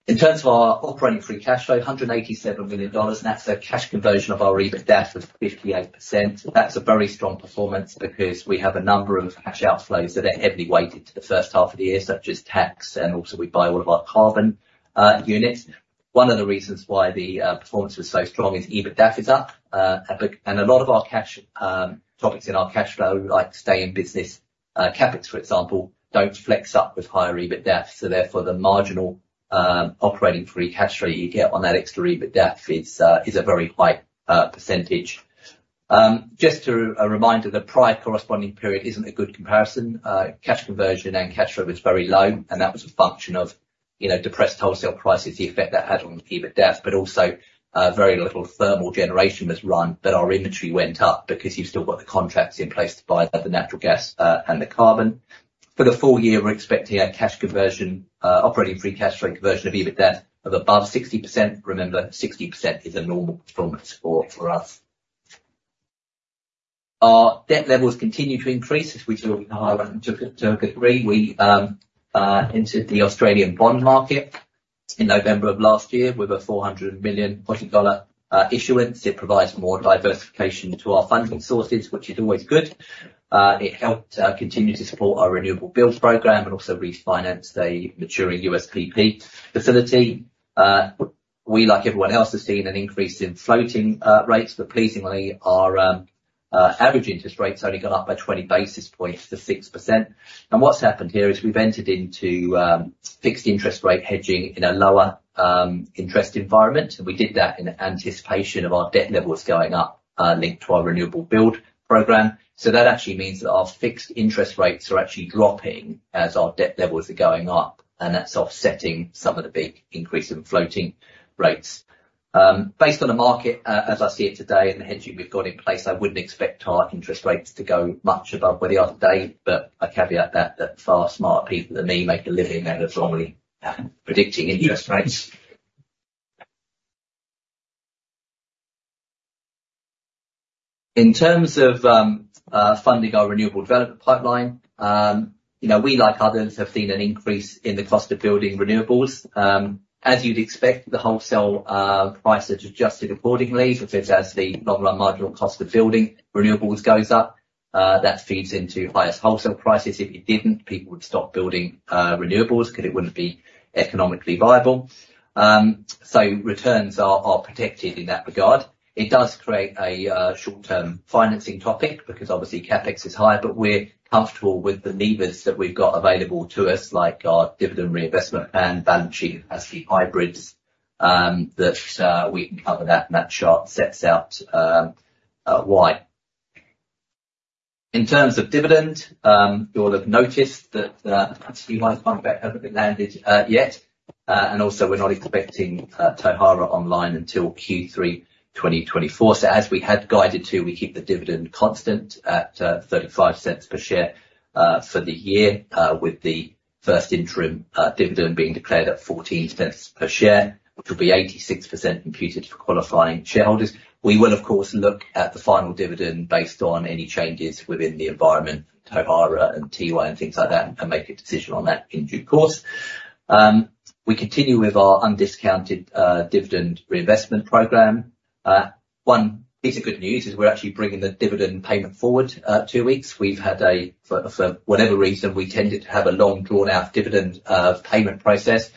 In terms of our operating free cash flow, 187 million dollars. That's a cash conversion of our EBITDA of 58%. That's a very strong performance because we have a number of cash outflows that are heavily weighted to the first half of the year such as tax. And also, we buy all of our carbon units. One of the reasons why the performance was so strong is EBITDA is up. And a lot of our cash topics in our cash flow like stay-in-business CapEx, for example, don't flex up with higher EBITDA. So therefore, the marginal operating free cash flow you get on that extra EBITDA is a very high percentage. Just a reminder, the prior corresponding period isn't a good comparison. Cash conversion and cash flow was very low. And that was a function of depressed wholesale prices, the effect that had on EBITDA. Also, very little thermal generation was run. Our inventory went up because you've still got the contracts in place to buy the natural gas and the carbon. For the full year, we're expecting a cash conversion, operating free cash flow conversion of EBITDA of above 60%. Remember, 60% is a normal performance for us. Our debt levels continue to increase as we talked to our board and took a review. We entered the Australian bond market in November of last year with a 400 million dollar issuance. It provides more diversification to our funding sources which is always good. It helped continue to support our renewables build program and also refinance the maturing USPP facility. We, like everyone else, have seen an increase in floating rates. Pleasingly, our average interest rates only got up by 20 basis points to 6%. What's happened here is we've entered into fixed interest rate hedging in a lower interest environment. We did that in anticipation of our debt levels going up linked to our renewable build program. That actually means that our fixed interest rates are actually dropping as our debt levels are going up. That's offsetting some of the big increase in floating rates. Based on the market as I see it today and the hedging we've got in place, I wouldn't expect our interest rates to go much above where they are today. But I caveat that. Far, smarter people than me make a living out of normally predicting interest rates. In terms of funding our renewable development pipeline, we, like others, have seen an increase in the cost of building renewables. As you'd expect, the wholesale prices adjusted accordingly. So if it's as the long-run marginal cost of building renewables goes up, that feeds into higher wholesale prices. If it didn't, people would stop building renewables because it wouldn't be economically viable. So returns are protected in that regard. It does create a short-term financing topic because obviously, CapEx is high. But we're comfortable with the levers that we've got available to us like our dividend reinvestment plan, balance sheet, capacity hybrids that we can cover. And that chart sets out why. In terms of dividend, you all have noticed that the Capital Bond pack hasn't been landed yet. And also, we're not expecting Tauhara online until Q3 2024. So as we had guided to, we keep the dividend constant at 0.35 per share for the year with the first interim dividend being declared at 0.14 per share which will be 86% imputed for qualifying shareholders. We will, of course, look at the final dividend based on any changes within the environment, Tauhara and Tiwai and things like that and make a decision on that in due course. We continue with our undiscounted dividend reinvestment program. One piece of good news is we're actually bringing the dividend payment forward two weeks. For whatever reason, we tended to have a long drawn-out dividend payment process.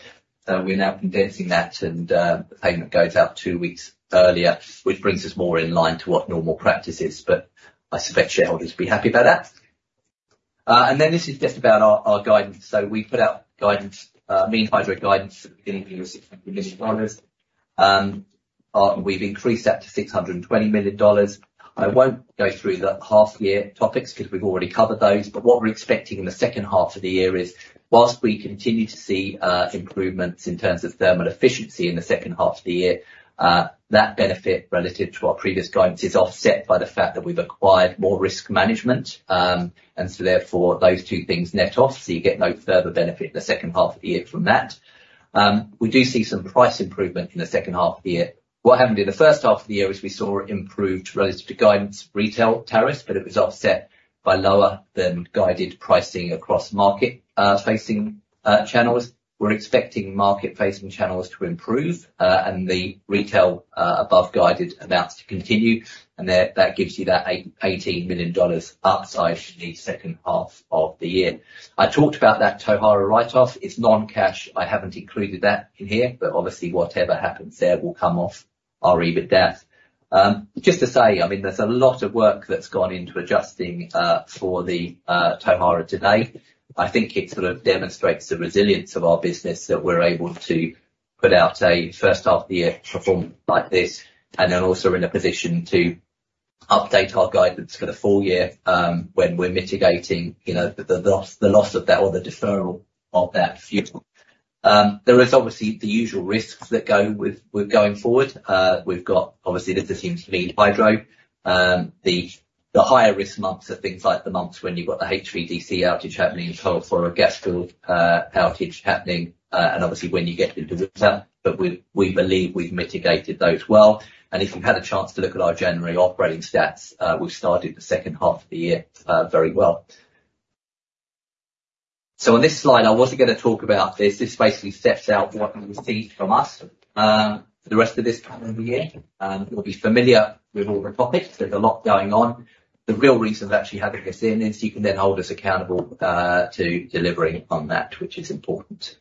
We're now condensing that. The payment goes out two weeks earlier which brings us more in line to what normal practice is. But I suspect shareholders will be happy about that. Then this is just about our guidance. We put out guidance, mean hydro guidance at the beginning of the year of 600 million dollars. We've increased that to 620 million dollars. I won't go through the half-year topics because we've already covered those. But what we're expecting in the second half of the year is whilst we continue to see improvements in terms of thermal efficiency in the second half of the year, that benefit relative to our previous guidance is offset by the fact that we've acquired more risk management. And so therefore, those two things net off. So you get no further benefit in the second half of the year from that. We do see some price improvement in the second half of the year. What happened in the first half of the year is we saw improved relative to guidance retail tariffs. But it was offset by lower than guided pricing across market-facing channels. We're expecting market-facing channels to improve. And the retail above-guided amounts to continue. And that gives you that 18 million dollars upside in the second half of the year. I talked about that Tauhara write-off. It's non-cash. I haven't included that in here. But obviously, whatever happens there will come off our EBITDA. Just to say, I mean, there's a lot of work that's gone into adjusting for the Tauhara today. I think it sort of demonstrates the resilience of our business that we're able to put out a first-half-of-the-year performance like this and then also in a position to update our guidance for the full year when we're mitigating the loss of that or the deferral of that fuel. There is obviously the usual risks that go with going forward. Obviously, this assumes mean hydro. The higher-risk months are things like the months when you've got the HVDC outage happening in October or a gas field outage happening and obviously when you get into winter. But we believe we've mitigated those well. And if you've had a chance to look at our January operating stats, we've started the second half of the year very well. So on this slide, I wasn't going to talk about this. This basically sets out what you'll see from us for the rest of this time of the year. You'll be familiar with all the topics. There's a lot going on. The real reason for actually having this in is you can then hold us accountable to delivering on that which is important.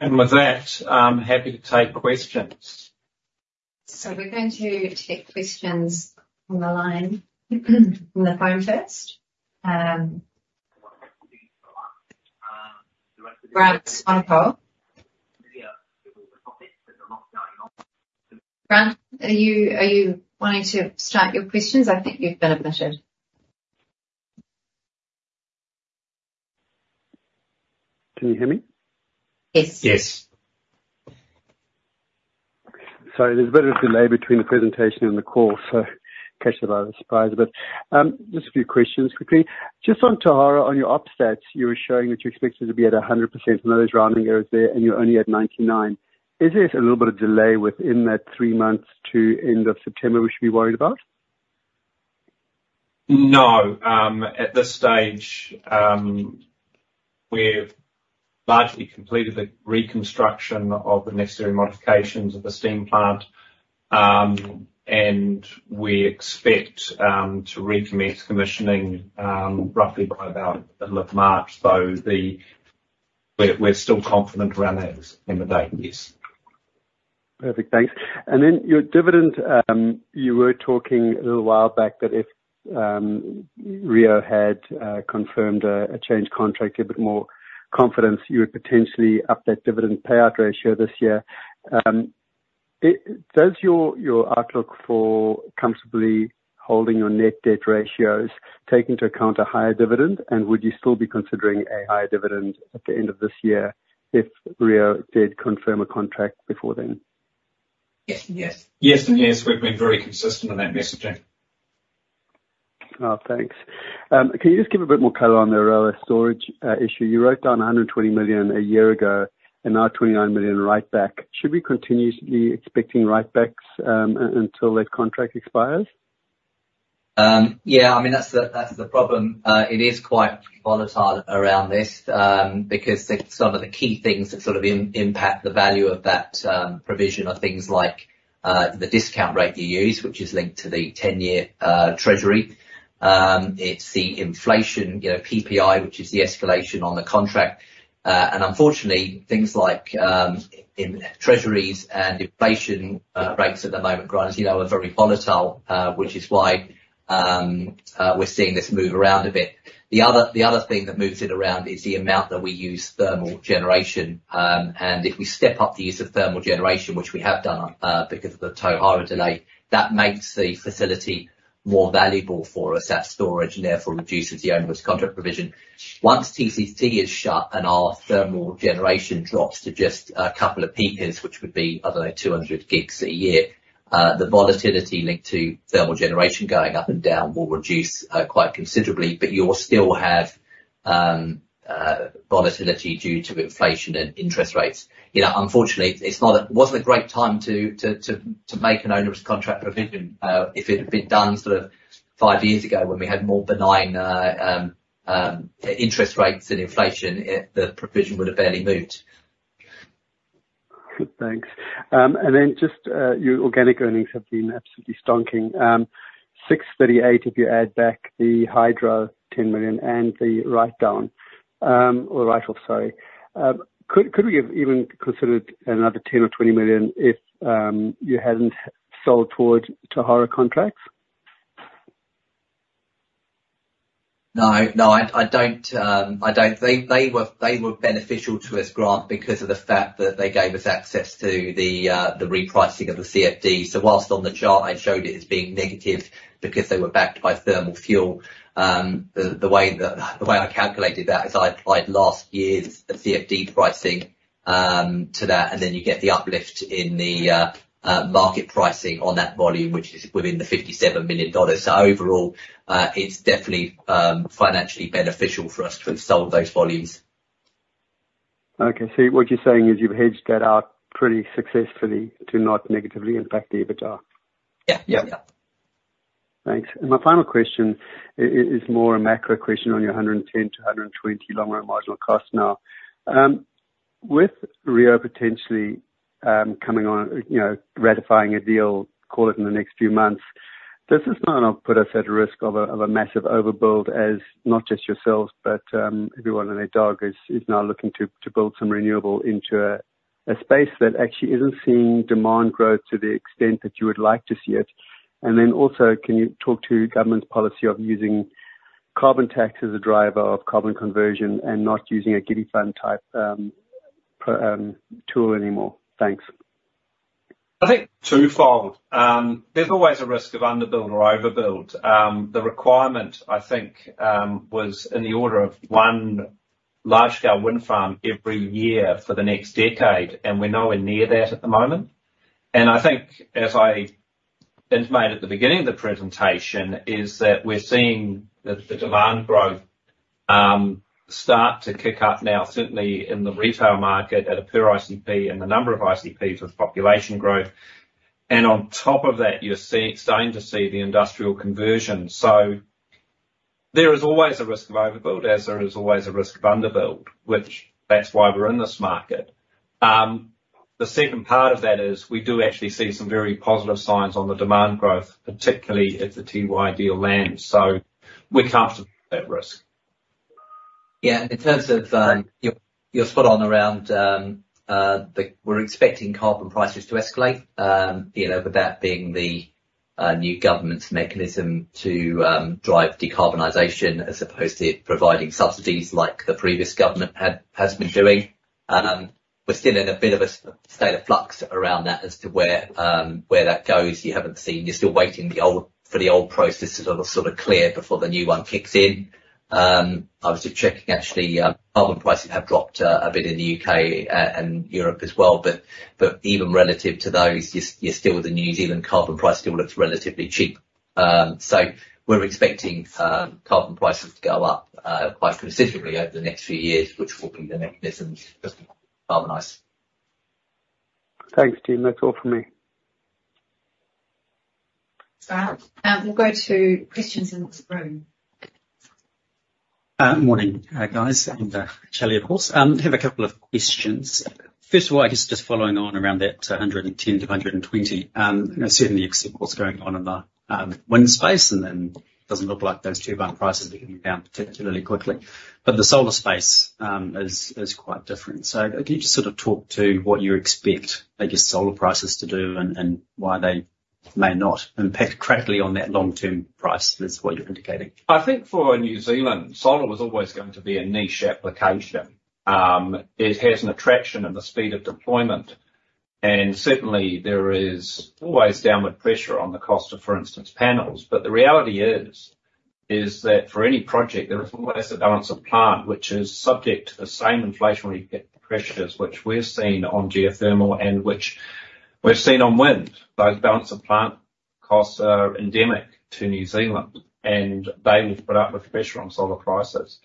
And with that, I'm happy to take questions.
So we're going to take questions on the line from the phone first. Grant, is it on the call? There's a lot going on. Grant, are you wanting to start your questions? I think you've been admitted.
Can you hear me?
Yes.
Yes.
So there's a bit of a delay between the presentation and the call. So in case you're a bit surprised. But just a few questions quickly. Just on Tauhara, on your ops stats, you were showing that you expected to be at 100%. I know there's rounding errors there. And you're only at 99%. Is there a little bit of delay within that three months to end of September we should be worried about?
No. At this stage, we've largely completed the reconstruction of the necessary modifications of the steam plant. And we expect to recommence commissioning roughly by about the middle of March. So we're still confident around that end of date, yes.
Perfect. Thanks. And then your dividend, you were talking a little while back that if Rio had confirmed a change contract, a bit more confidence, you would potentially up that dividend payout ratio this year. Does your outlook for comfortably holding your net debt ratios taking into account a higher dividend? And would you still be considering a higher dividend at the end of this year if Rio did confirm a contract before then?
Yes. Yes. Yes and yes. We've been very consistent on that messaging.
Oh, thanks. Can you just give a bit more color on the Ahuroa storage issue? You wrote down 120 million a year ago and now 29 million writeback. Should we continuously expect writebacks until that contract expires?
Yeah. I mean, that's the problem. It is quite volatile around this because some of the key things that sort of impact the value of that provision are things like the discount rate you use which is linked to the 10-year treasury. It's the inflation, PPI which is the escalation on the contract. Unfortunately, things like treasuries and inflation rates at the moment, Grant, are very volatile which is why we're seeing this move around a bit. The other thing that moves it around is the amount that we use thermal generation. And if we step up the use of thermal generation which we have done because of the Tauhara delay, that makes the facility more valuable for us, that storage. And therefore, reduces the onerous contract provision. Once TCC is shut and our thermal generation drops to just a couple of peakers which would be, I don't know, 200 gigs a year, the volatility linked to thermal generation going up and down will reduce quite considerably. You'll still have volatility due to inflation and interest rates. Unfortunately, it wasn't a great time to make an onerous contract provision. If it had been done sort of 5 years ago when we had more benign interest rates and inflation, the provision would have barely moved.
Good. Thanks. And then just your organic earnings have been absolutely stonking. 638 if you add back the hydro, 10 million, and the write-down or write-off, sorry. Could we have even considered another 10 million or 20 million if you hadn't sold toward Tauhara contracts?
No. No. I don't. They were beneficial to us, Grant, because of the fact that they gave us access to the repricing of the CFD. So while on the chart, I showed it as being negative because they were backed by thermal fuel, the way I calculated that is I applied last year's CFD pricing to that. And then you get the uplift in the market pricing on that volume which is within the 57 million dollars. So overall, it's definitely financially beneficial for us to have sold those volumes.
Okay. So what you're saying is you've hedged that out pretty successfully to not negatively impact the EBITDA?
Yeah. Yeah. Yeah.
Thanks. And my final question is more a macro question on your 110-120 long-run marginal costs now. With Rio potentially coming on, ratifying a deal, call it in the next few months, does this not put us at risk of a massive overbuild as not just yourselves but everyone and their dog is now looking to build some renewable into a space that actually isn't seeing demand growth to the extent that you would like to see it? And then also, can you talk to government's policy of using carbon tax as a driver of carbon conversion and not using a GIDI Fund-type tool anymore? Thanks.
I think two-fold. There's always a risk of underbuild or overbuild. The requirement, I think, was in the order of one large-scale wind farm every year for the next decade. We're nowhere near that at the moment. I think as I intimated at the beginning of the presentation is that we're seeing the demand growth start to kick up now certainly in the retail market at a per ICP and the number of ICPs with population growth. On top of that, you're starting to see the industrial conversion. So there is always a risk of overbuild as there is always a risk of underbuild which that's why we're in this market. The second part of that is we do actually see some very positive signs on the demand growth particularly if the Tiwai deal lands. So we're comfortable with that risk.
Yeah. In terms of your spot-on around we're expecting carbon prices to escalate with that being the new government's mechanism to drive decarbonization as opposed to providing subsidies like the previous government has been doing. We're still in a bit of a state of flux around that as to where that goes. You haven't seen you're still waiting for the old process to sort of clear before the new one kicks in. I was just checking actually. Carbon prices have dropped a bit in the U.K. and Europe as well. But even relative to those, you're still with the New Zealand carbon price still looks relatively cheap. So we're expecting carbon prices to go up quite considerably over the next few years which will be the mechanism to carbonize.
Thanks, team. That's all from me.
Grant, we'll go to questions in the room.
Morning, guys. I'm Shelley, of course. I have a couple of questions. First of all, I guess just following on around that 110-120. Certainly, you can see what's going on in the wind space. And then it doesn't look like those turbine prices are coming down particularly quickly. But the solar space is quite different. So can you just sort of talk to what you expect, I guess, solar prices to do and why they may not impact critically on that long-term price is what you're indicating? I think for New Zealand, solar was always going to be a niche application. It has an attraction and the speed of deployment. And certainly, there is always downward pressure on the cost of, for instance, panels. The reality is that for any project, there is always a balance of plant which is subject to the same inflationary pressures which we're seeing on geothermal and which we've seen on wind. Those balance of plant costs are endemic to New Zealand. They will put up with pressure on solar prices.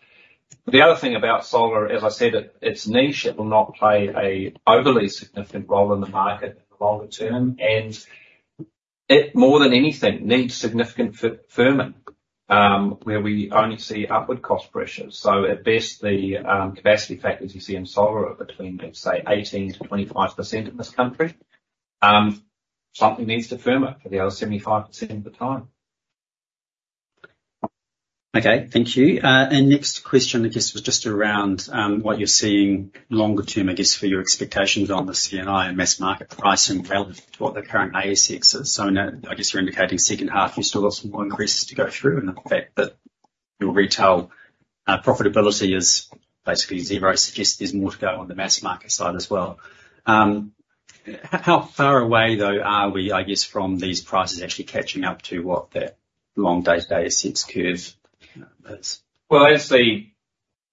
The other thing about solar, as I said, it's niche. It will not play an overly significant role in the market in the longer term. It more than anything needs significant firming where we only see upward cost pressures. At best, the capacity factors you see in solar are between, let's say, 18%-25% in this country. Something needs to firm it for the other 75% of the time.
Okay. Thank you. And next question, I guess, was just around what you're seeing longer term, I guess, for your expectations on the CNI and mass market pricing relative to what the current ASX is. So I guess you're indicating second half you've still got some more increases to go through and the fact that your retail profitability is basically zero suggests there's more to go on the mass market side as well. How far away, though, are we, I guess, from these prices actually catching up to what that long day-to-day ASX curve is?
Well, obviously,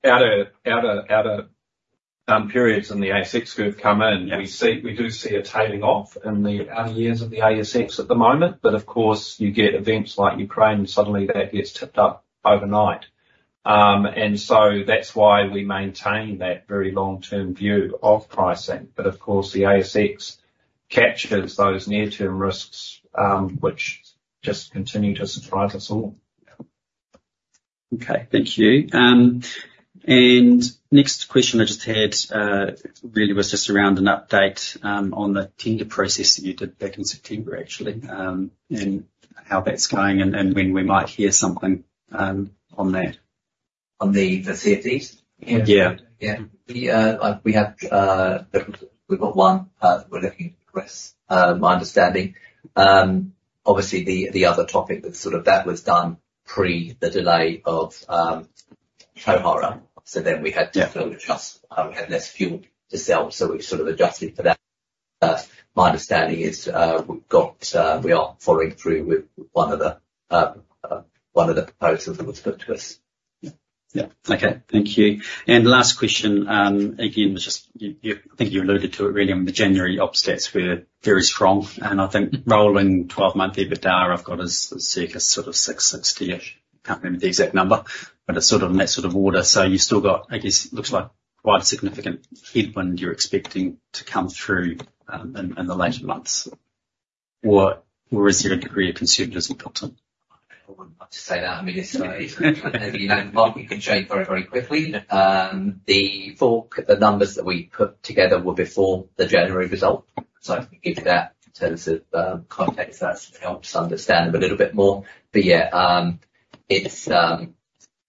outer periods in the ASX curve come in. We do see a tailing off in the outer years of the ASX at the moment. But of course, you get events like Ukraine. Suddenly, that gets tipped up overnight. And so that's why we maintain that very long-term view of pricing. But of course, the ASX captures those near-term risks which just continue to surprise us all.
Okay. Thank you. And next question I just had really was just around an update on the tender process that you did back in September actually and how that's going and when we might hear something on that. On the CFDs?
Yeah. Yeah. We have got one that we're looking to progress, my understanding. Obviously, the other topic was sort of that was done pre the delay of Tauhara. So then we had to adjust. We had less fuel to sell. So we've sort of adjusted for that. My understanding is we are following through with one of the proposals that was put to us.
Yeah. Yeah. Okay. Thank you. And last question again was just I think you alluded to it really on the January ops stats were very strong. I think rolling 12-month EBITDA is I've got as circa sort of 660-ish. I can't remember the exact number. But it's sort of in that sort of order. So you've still got, I guess, it looks like quite a significant headwind you're expecting to come through in the later months. Or is there a degree of conservatism built in?
I would love to say that. I mean, as you know, market can change very, very quickly. The numbers that we put together were before the January result. So I can give you that in terms of context. That's helped us understand them a little bit more. But yeah.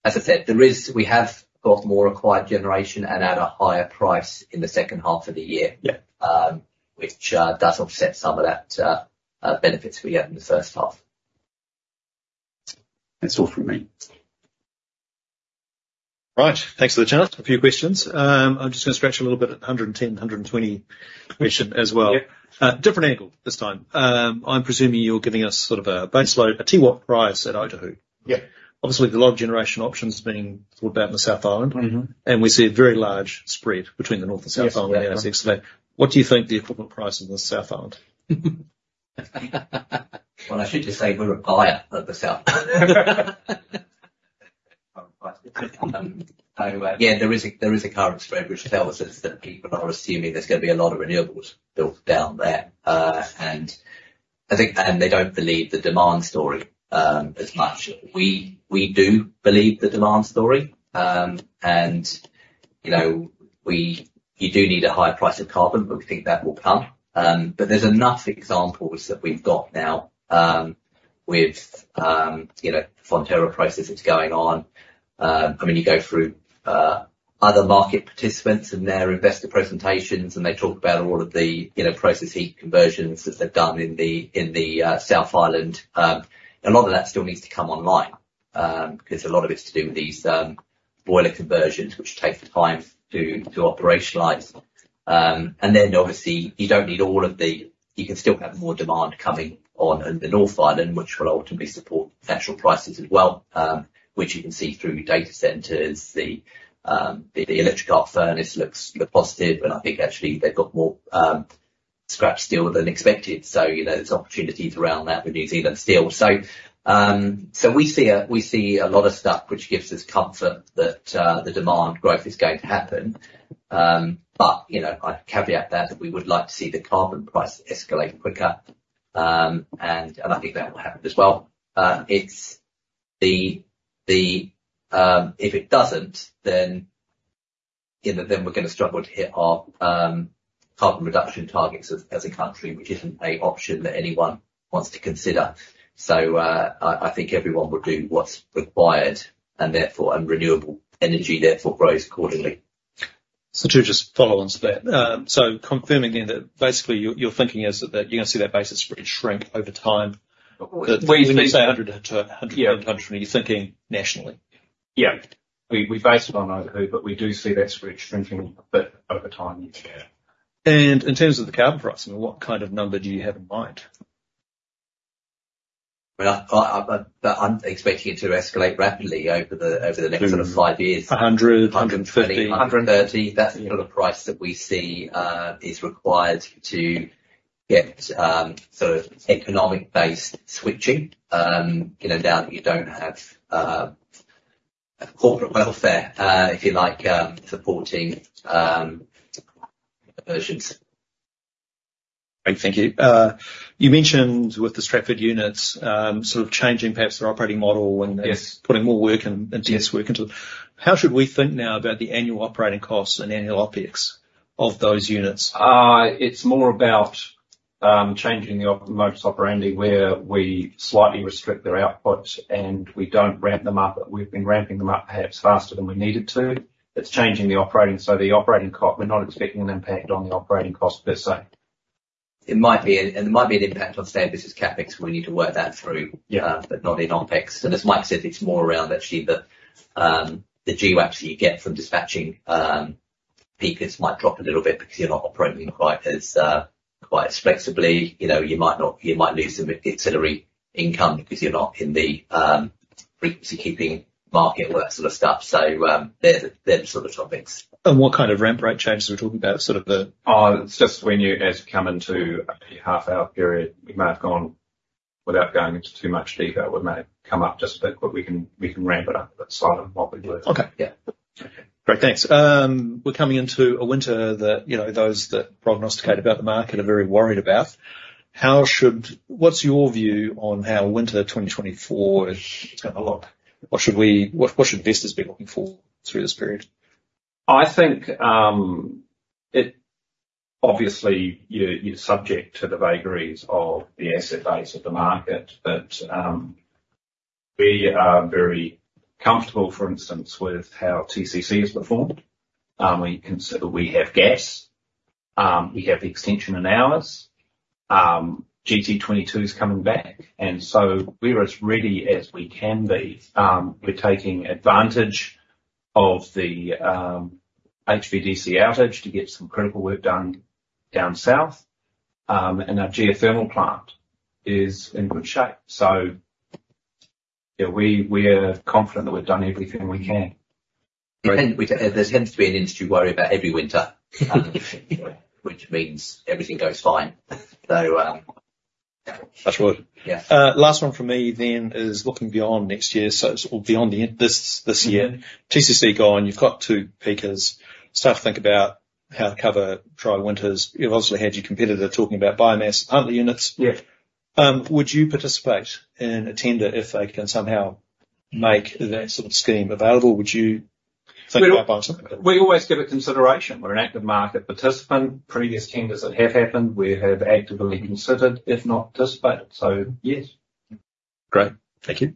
As I said, we have got more acquired generation and at a higher price in the second half of the year which does offset some of that benefits we had in the first half.
That's all from me. Right.
Thanks for the chance. A few questions. I'm just going to scratch a little bit at the 110-120 question as well. Different angle this time. I'm presuming you're giving us sort of a baseline, a TWAP price at Otahuhu. Obviously, the low generation option's being thought about in the South Island. And we see a very large spread between the North and South Island in the ASX today. What do you think the equivalent price is in the South Island?
Well, I should just say we're a buyer of the South Island. So yeah. There is a current spread which tells us that people are assuming there's going to be a lot of renewables built down there. And they don't believe the demand story as much. We do believe the demand story. And you do need a higher price of carbon. But we think that will come. But there's enough examples that we've got now with the Fonterra process that's going on. I mean, you go through other market participants and their investor presentations. And they talk about all of the process heat conversions that they've done in the South Island. A lot of that still needs to come online because a lot of it's to do with these boiler conversions which take time to operationalize. And then obviously, you don't need all of the you can still have more demand coming on in the North Island which will ultimately support natural gas prices as well which you can see through data centers. The electric arc furnace looks positive. And I think actually, they've got more scrap steel than expected. So there's opportunities around that with New Zealand Steel. So we see a lot of stuff which gives us comfort that the demand growth is going to happen. But I'd caveat that that we would like to see the carbon price escalate quicker. And I think that will happen as well. If it doesn't, then we're going to struggle to hit our carbon reduction targets as a country which isn't an option that anyone wants to consider. So I think everyone will do what's required. And renewable energy therefore grows accordingly.
So to just follow on to that. So confirming then that basically, your thinking is that you're going to see that basis spread shrink over time. When you say 110-120, are you thinking nationally?
Yeah. We base it on Otahuhu. But we do see that spread shrinking a bit over time.
Yeah. And in terms of the carbon price, I mean, what kind of number do you have in mind?
I'm expecting it to escalate rapidly over the next sort of five years. 100, 150, 130? 130. That's the sort of price that we see is required to get sort of economic-based switching now that you don't have corporate welfare, if you like, supporting conversions.
Great. Thank you. You mentioned with the Stratford units sort of changing perhaps their operating model and putting more work, intense work into them. How should we think now about the annual operating costs and annual OpEx of those units?
It's more about changing the modus operandi where we slightly restrict their output. We don't ramp them up. We've been ramping them up perhaps faster than we needed to. It's changing the operating. We're not expecting an impact on the operating costs per se.
It might be. There might be an impact on standard business CapEx. We need to work that through but not in OpEx. And as Mike said, it's more around actually the GWAPs that you get from dispatching peakers might drop a little bit because you're not operating quite as flexibly. You might lose some ancillary income because you're not in the frequency-keeping market or that sort of stuff. So they're the sort of topics.
And what kind of ramp rate changes are we talking about?
It's just when, as you come into a half-hour period, we may have gone without going into too much detail. We may have come up just a bit. But we can ramp it up a bit slightly what we were.
Okay. Yeah. Great. Thanks. We're coming into a winter that those that prognosticate about the market are very worried about. What's your view on how winter 2024 is going to look? What should investors be looking forward to through this period?
I think obviously, you're subject to the vagaries of the asset base of the market. But we are very comfortable, for instance, with how TCC has performed. We consider we have gas. We have the extension in hours. GT22's coming back. And so we're as ready as we can be. We're taking advantage of the HVDC outage to get some critical work done down south. And our geothermal plant is in good shape. So we're confident that we've done everything we can. There tends to be an industry worry about every winter which means everything goes fine. So yeah.
That's right. Last one from me then is looking beyond next year. So it's all beyond this year. TCC gone. You've got two peakers. Start to think about how to cover dry winters. You've obviously had your competitor talking about biomass capable units. Would you participate in a tender if they can somehow make that sort of scheme available? Would you think about buying something?
We always give it consideration. We're an active market participant. Previous tenders that have happened, we have actively considered if not participated. So yes.
Great. Thank you.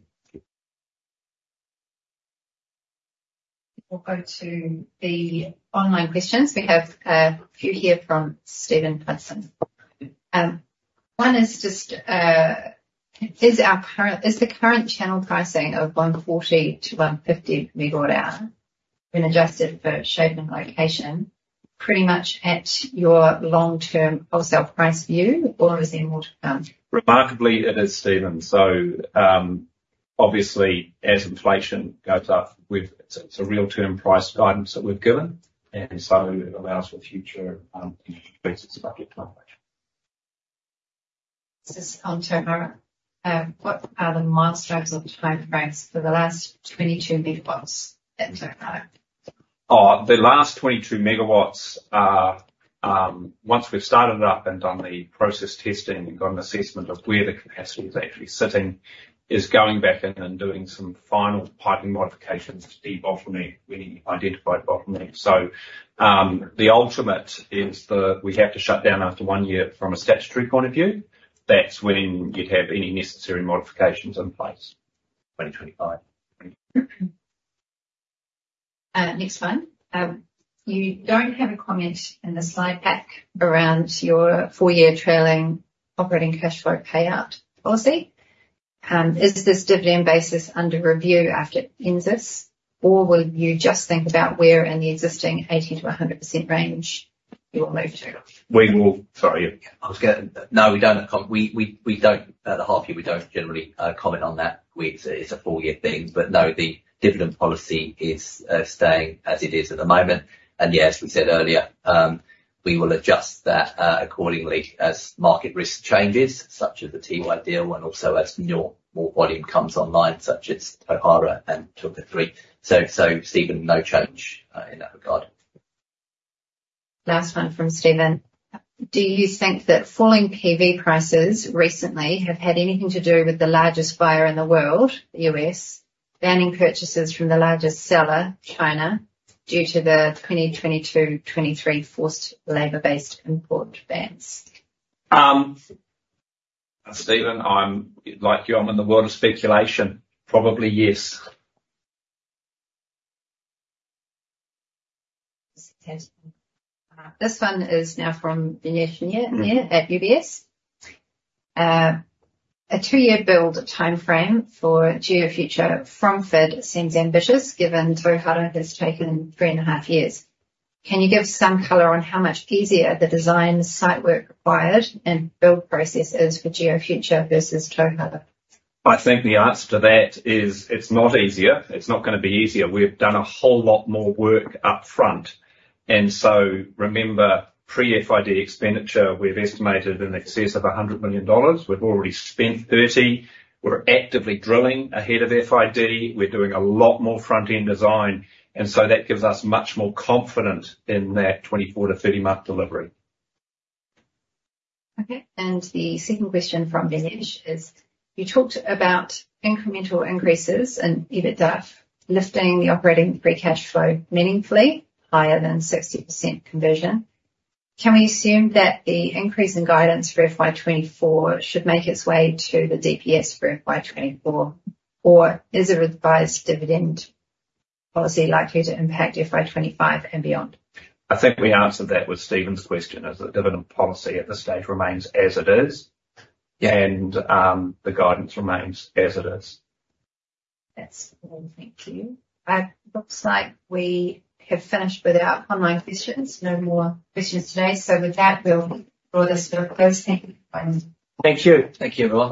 We'll go to the online questions. We have a few here from Stephen Hudson. One is just, is the current channel pricing of 140-150 MWh when adjusted for shaping location pretty much at your long-term wholesale price view? Or is there more to come?
Remarkably, it is, Stephen. So obviously, as inflation goes up, it's a real-term price guidance that we've given. And so it allows for future increases of our gas price.
This is Tom Termaat. What are the milestones or timeframes for the last 22 MW at Tauhara?
The last 22 MW, once we've started it up and done the process testing and got an assessment of where the capacity is actually sitting, is going back in and doing some final piping modifications to de-bottleneck when you identify bottlenecks. So the ultimate is we have to shut down after one year from a statutory point of view. That's when you'd have any necessary modifications in place. 2025.
Next one. You don't have a comment in the slide pack around your four-year trailing operating cash flow payout policy. Is this dividend basis under review after NZAS? Or will you just think about where in the existing 80%-100% range you will move to?
We will. Sorry. Yeah. No, we don't at the half-year, we don't generally comment on that. It's a four-year thing. But no, the dividend policy is staying as it is at the moment. Yes, we said earlier, we will adjust that accordingly as market risk changes such as the Tiwai deal and also as more volume comes online such as Tauhara and Te Huka 3. Stephen, no change in that regard.
Last one from Stephen. Do you think that falling PV prices recently have had anything to do with the largest buyer in the world, the US, banning purchases from the largest seller, China, due to the 2022/2023 forced labour-based import bans?
Stephen, like you, I'm in the world of speculation. Probably yes.
This one is now from Vinesh Nair at UBS. A 2-year build timeframe for GeoFuture from FID seems ambitious given Tauhara has taken 3.5 years. Can you give some color on how much easier the design site work required and build process is for GeoFuture versus Tauhara?
I think the answer to that is it's not easier. It's not going to be easier. We've done a whole lot more work upfront. And so remember, pre-FID expenditure, we've estimated in excess of 100 million dollars. We've already spent 30 million. We're actively drilling ahead of FID. We're doing a lot more front-end design. And so that gives us much more confidence in that 24- to 30-month delivery.
Okay. And the second question from Vinesh is, you talked about incremental increases in EBITDA lifting the operating free cash flow meaningfully. Higher than 60% conversion. Can we assume that the increase in guidance for FY 2024 should make its way to the DPS for FY 2024? Or is a revised dividend policy likely to impact FY 2025 and beyond?
I think we answered that with Stephen's question as the dividend policy at this stage remains as it is. The guidance remains as it is. That's all.
Thank you. It looks like we have finished with our online questions. No more questions today. So with that, we'll draw this to a close.
Thank you.
Thank you, everyone.